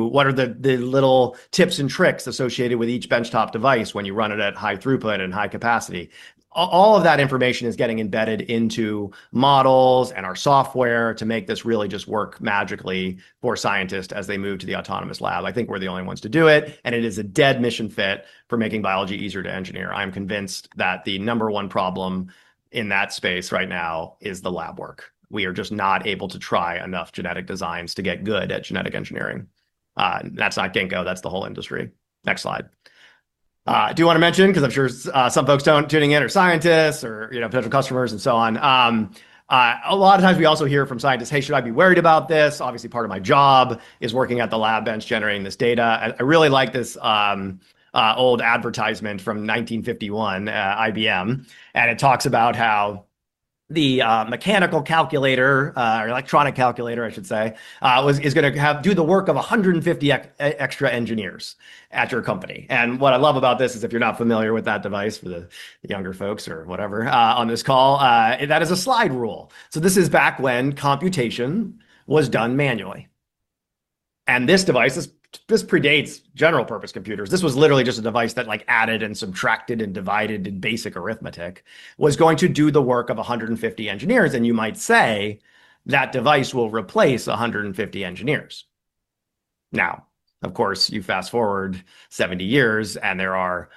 Speaker 2: what are the little tips and tricks associated with each benchtop device when you run it at high throughput and high capacity. All of that information is getting embedded into models and our software to make this really just work magically for scientists as they move to the autonomous lab. I think we're the only ones to do it is a dead mission fit for making biology easier to engineer. I'm convinced that the number one problem in that space right now is the lab work. We are just not able to try enough genetic designs to get good at genetic engineering. That's not Ginkgo, that's the whole industry. Next slide. I do wanna mention, 'cause I'm sure some folks tuning in are scientists or, you know, potential customers and so on, a lot of times we also hear from scientists, "Hey, should I be worried about this? Obviously, part of my job is working at the lab bench, generating this data." I really like this old advertisement from 1951, IBM, it talks about how the mechanical calculator, or electronic calculator, I should say, do the work of 150 extra engineers at your company. What I love about this is, if you're not familiar with that device, for the younger folks or whatever, on this call, that is a slide rule. This is back when computation was done manually, and this device predates general-purpose computers. This was literally just a device that, like, added and subtracted and divided, did basic arithmetic, was going to do the work of 150 engineers, and you might say that device will replace 150 engineers. Of course, you fast-forward 70 years, and there are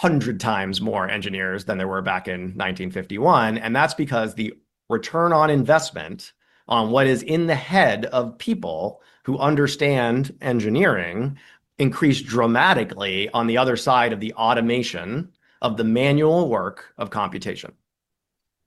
Speaker 2: 100 times more engineers than there were back in 1951, and that's because the return on investment on what is in the head of people who understand engineering increased dramatically on the other side of the automation of the manual work of computation.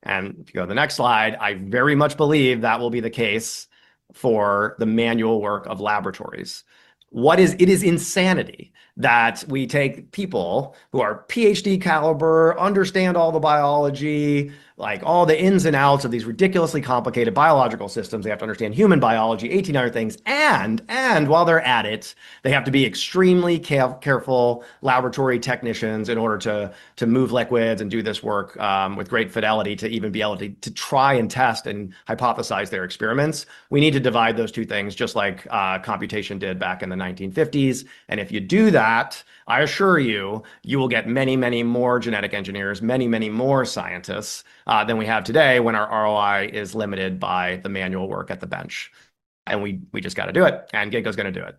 Speaker 2: If you go to the next slide, I very much believe that will be the case for the manual work of laboratories. What is It is insanity that we take people who are PhD caliber, understand all the biology, like all the ins and outs of these ridiculously complicated biological systems. They have to understand human biology, 18 other things, and while they're at it, they have to be extremely careful laboratory technicians in order to move liquids and do this work with great fidelity, to even be able to try and test and hypothesize their experiments. We need to divide those two things, just like computation did back in the 1950s. If you do that, I assure you will get many, many more genetic engineers, many, many more scientists than we have today, when our ROI is limited by the manual work at the bench, and we just gotta do it, and Ginkgo's gonna do it.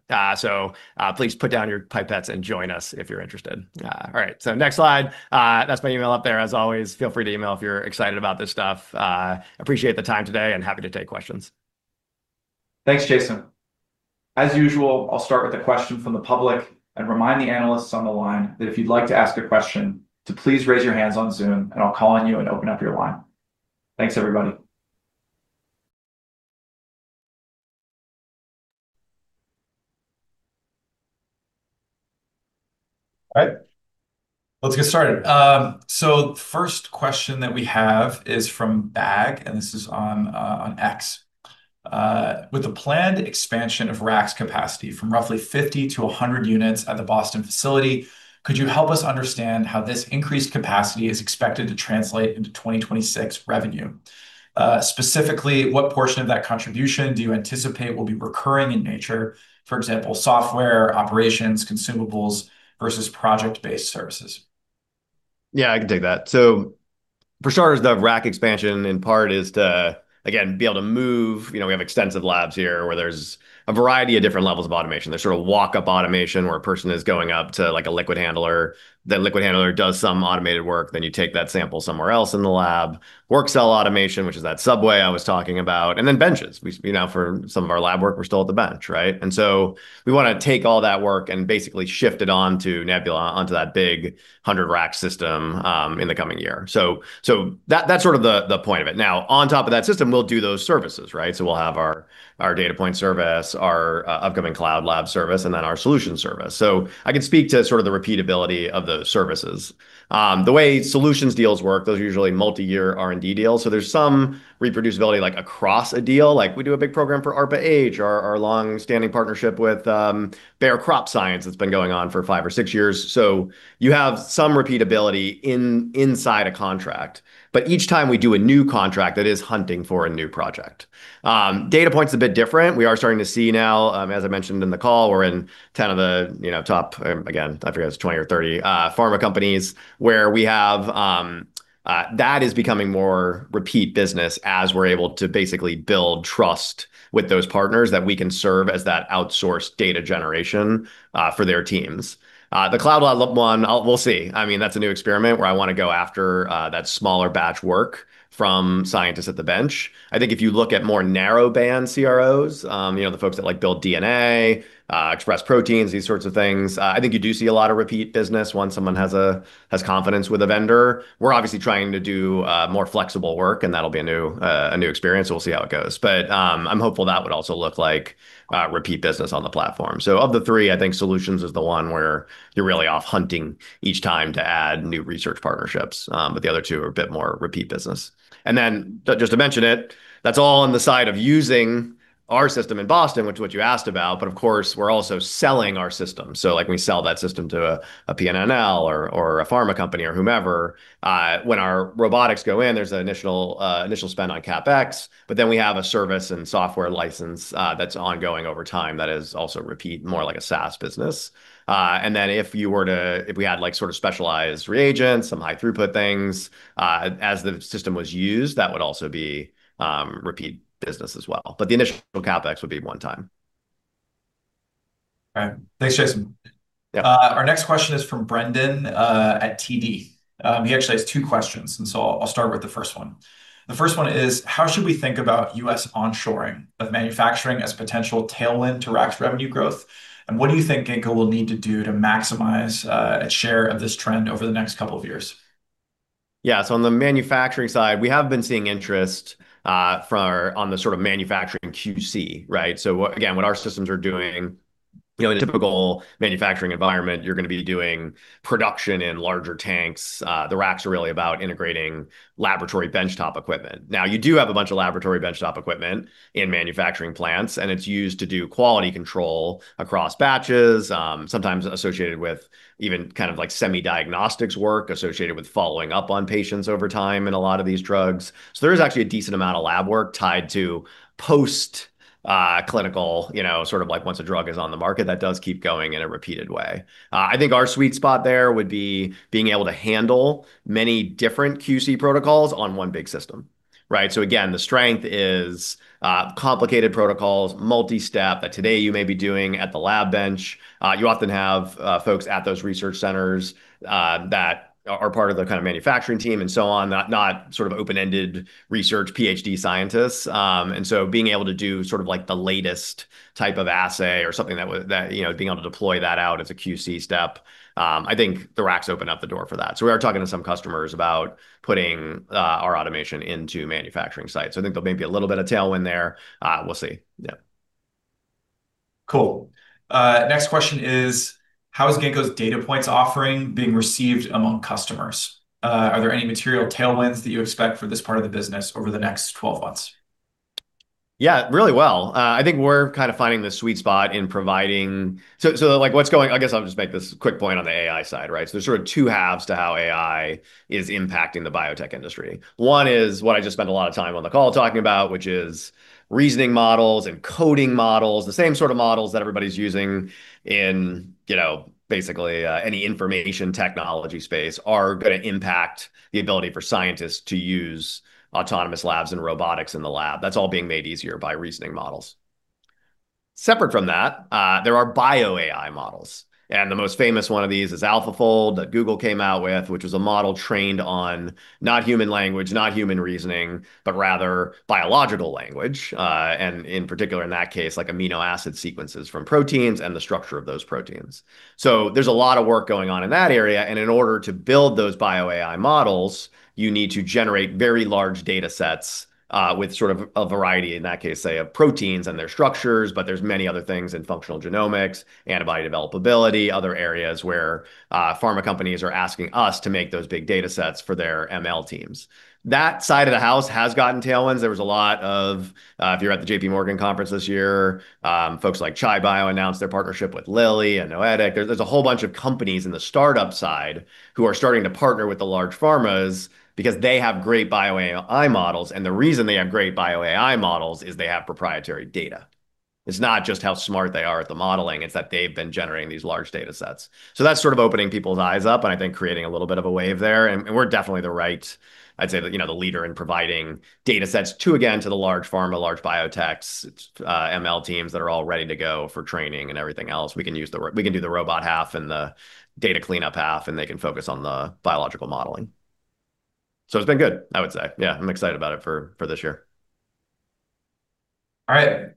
Speaker 2: Please put down your pipettes and join us if you're interested. All right, next slide. That's my email up there. As always, feel free to email if you're excited about this stuff. Appreciate the time today, and happy to take questions.
Speaker 1: Thanks, Jason. As usual, I'll start with a question from the public and remind the analysts on the line that if you'd like to ask a question, to please raise your hands on Zoom, and I'll call on you and open up your line. Thanks, everybody. All right, let's get started. The first question that we have is from Bag, and this is on X. "With the planned expansion of RACs capacity from roughly 50 to 100 units at the Boston facility, could you help us understand how this increased capacity is expected to translate into 2026 revenue? Specifically, what portion of that contribution do you anticipate will be recurring in nature, for example, software, operations, consumables versus project-based services?
Speaker 2: Yeah, I can take that. For starters, the RACs expansion, in part, is to, again, be able to move you know, we have extensive labs here, where there's a variety of different levels of automation. There's sort of walk-up automation, where a person is going up to, like, a liquid handler. That liquid handler does some automated work, then you take that sample somewhere else in the lab. Work cell automation, which is that subway I was talking about, and then benches. We, you know, for some of our lab work, we're still at the bench, right? We wanna take all that work and basically shift it on to Nebula, onto that big 100-RACs system in the coming year. That's sort of the point of it. Now, on top of that system, we'll do those services, right? We'll have our data point service, our upcoming cloud lab service, our solutions service. I can speak to sort of the repeatability of the services. The way solutions deals work, those are usually multiyear R&D deals, so there's some reproducibility, like, across a deal. We do a big program for ARPA-H, our long-standing partnership with Bayer Crop Science, that's been going on for five or six years. You have some repeatability inside a contract, but each time we do a new contract, that is hunting for a new project. Data point's a bit different. We are starting to see now, as I mentioned in the call, we're in 10 of the, you know, top, again, I forget, it's 20 or 30 pharma companies, where we have. That is becoming more repeat business as we're able to basically build trust with those partners, that we can serve as that outsourced data generation for their teams. The cloud one, we'll see. I mean, that's a new experiment, where I wanna go after that smaller batch work from scientists at the bench. I think if you look at more narrow band CROs, you know, the folks that, like, build DNA, express proteins, these sorts of things, I think you do see a lot of repeat business once someone has confidence with a vendor. We're obviously trying to do more flexible work, and that'll be a new, a new experience, so we'll see how it goes. I'm hopeful that would also look like repeat business on the platform. Of the three, I think solutions is the one where you're really off hunting each time to add new research partnerships. The other two are a bit more repeat business. Just to mention it, that's all on the side of using our system in Boston, which is what you asked about, but of course, we're also selling our system. Like, we sell that system to a PNNL or a pharma company or whomever. When our robotics go in, there's an initial initial spend on CapEx, but then we have a service and software license, that's ongoing over time that is also repeat, more like a SaaS business. If we had, like, sort of specialized reagents, some high-throughput things, as the system was used, that would also be repeat business as well, but the initial CapEx would be one time.
Speaker 1: All right. Thanks, Jason.
Speaker 2: Yeah.
Speaker 1: Our next question is from Brendan at TD. He actually has two questions. I'll start with the 1st one. The first one is: "How should we think about U.S. onshoring of manufacturing as potential tailwind to RACs revenue growth, and what do you think Ginkgo will need to do to maximize its share of this trend over the next two years?
Speaker 2: On the manufacturing side, we have been seeing interest, on the sort of manufacturing QC, right? Again, what our systems are doing. You know, in a typical manufacturing environment, you're gonna be doing production in larger tanks. The racks are really about integrating laboratory bench-top equipment. Now, you do have a bunch of laboratory bench-top equipment in manufacturing plants, and it's used to do quality control across batches, sometimes associated with even kind of like semi-diagnostics work, associated with following up on patients over time in a lot of these drugs. There is actually a decent amount of lab work tied to post-clinical, you know, sort of like once a drug is on the market, that does keep going in a repeated way. I think our sweet spot there would be being able to handle many different QC protocols on one big system. Right? Again, the strength is complicated protocols, multi-step, that today you may be doing at the lab bench. You often have folks at those research centers that are part of the kind of manufacturing team and so on that are not sort of open-ended research PhD scientists. Being able to do sort of like the latest type of assay or something that, you know, being able to deploy that out as a QC step, I think the RACs open up the door for that. We are talking to some customers about putting our automation into manufacturing sites. I think there'll maybe a little bit of tailwind there. We'll see. Yeah.
Speaker 1: Cool. next question is, how is Ginkgo's Datapoints offering being received among customers? are there any material tailwinds that you expect for this part of the business over the next 12 months?
Speaker 2: Yeah. Really well. I think we're kind of finding the sweet spot in providing. I guess I'll just make this quick point on the AI side, right? There's sort of two halves to how AI is impacting the biotech industry. One is what I just spent a lot of time on the call talking about, which is reasoning models and coding models, the same sort of models that everybody's using in, you know, basically, any information technology space are gonna impact the ability for scientists to use autonomous labs and robotics in the lab. That's all being made easier by reasoning models. Separate from that, there are bioAI models, and the most famous one of these is AlphaFold that Google came out with, which was a model trained on not human language, not human reasoning, but rather biological language. In particular in that case, like amino acid sequences from proteins and the structure of those proteins. There's a lot of work going on in that area, and in order to build those bioAI models, you need to generate very large data sets with sort of a variety, in that case, say, of proteins and their structures, but there's many other things in functional genomics, antibody develop-ability, other areas where pharma companies are asking us to make those big data sets for their ML teams. That side of the house has gotten tailwinds. There was a lot of, if you were at the JPMorgan conference this year, folks like Chai Discovery announced their partnership with Lilly and Noetik. There's a whole bunch of companies in the startup side who are starting to partner with the large pharmas because they have great bioAI models, and the reason they have great bioAI models is they have proprietary data. It's not just how smart they are at the modeling, it's that they've been generating these large data sets. That's sort of opening people's eyes up and I think creating a little bit of a wave there and we're definitely the right, I'd say, you know, the leader in providing data sets to, again, to the large pharma, large biotechs, ML teams that are all ready to go for training and everything else. We can do the robot half and the data cleanup half, and they can focus on the biological modeling. It's been good, I would say. Yeah. I'm excited about it for this year.
Speaker 1: All right.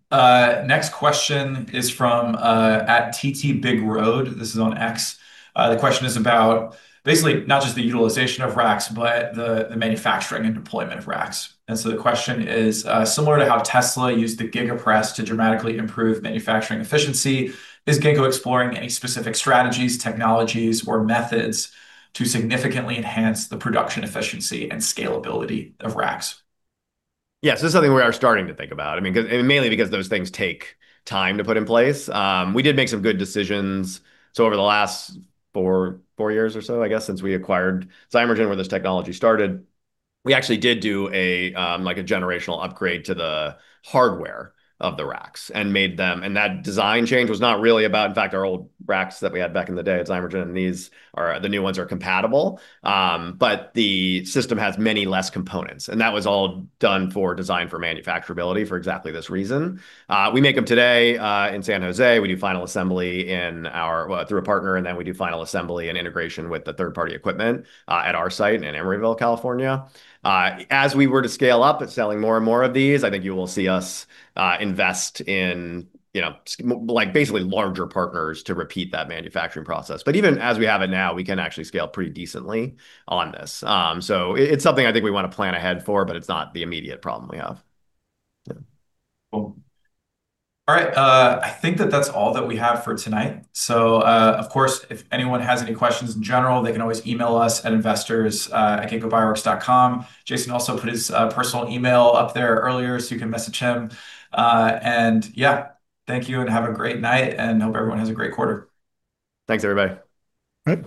Speaker 1: Next question is from @TTBigRoad. This is on X. The question is about basically not just the utilization of racks, but the manufacturing and deployment of racks. The question is, similar to how Tesla used the Giga Press to dramatically improve manufacturing efficiency, is Ginkgo exploring any specific strategies, technologies, or methods to significantly enhance the production efficiency and scalability of racks?
Speaker 2: Yeah. This is something we are starting to think about. I mean, mainly because those things take time to put in place. We did make some good decisions. Over the last four years or so, I guess, since we acquired Zymergen where this technology started, we actually did do a, like a generational upgrade to the hardware of the racks and made them. That design change was not really about, in fact, our old racks that we had back in the day at Zymergen, these are, the new ones are compatible. The system has many less components, and that was all done for design for manufacturability for exactly this reason. We make them today, in San Jose. We do final assembly well, through a partner, then we do final assembly and integration with the third-party equipment at our site in Emeryville, California. As we were to scale up at selling more and more of these, I think you will see us invest in, you know, like, basically larger partners to repeat that manufacturing process. Even as we have it now, we can actually scale pretty decently on this. It's something I think we wanna plan ahead for, it's not the immediate problem we have. Yeah.
Speaker 1: Well, all right. I think that that's all that we have for tonight. Of course, if anyone has any questions in general, they can always email us at investors@ginkgobioworks.com Jason also put his personal email up there earlier, so you can message him. Yeah. Thank you and have a great night, and hope everyone has a great quarter.
Speaker 2: Thanks, everybody.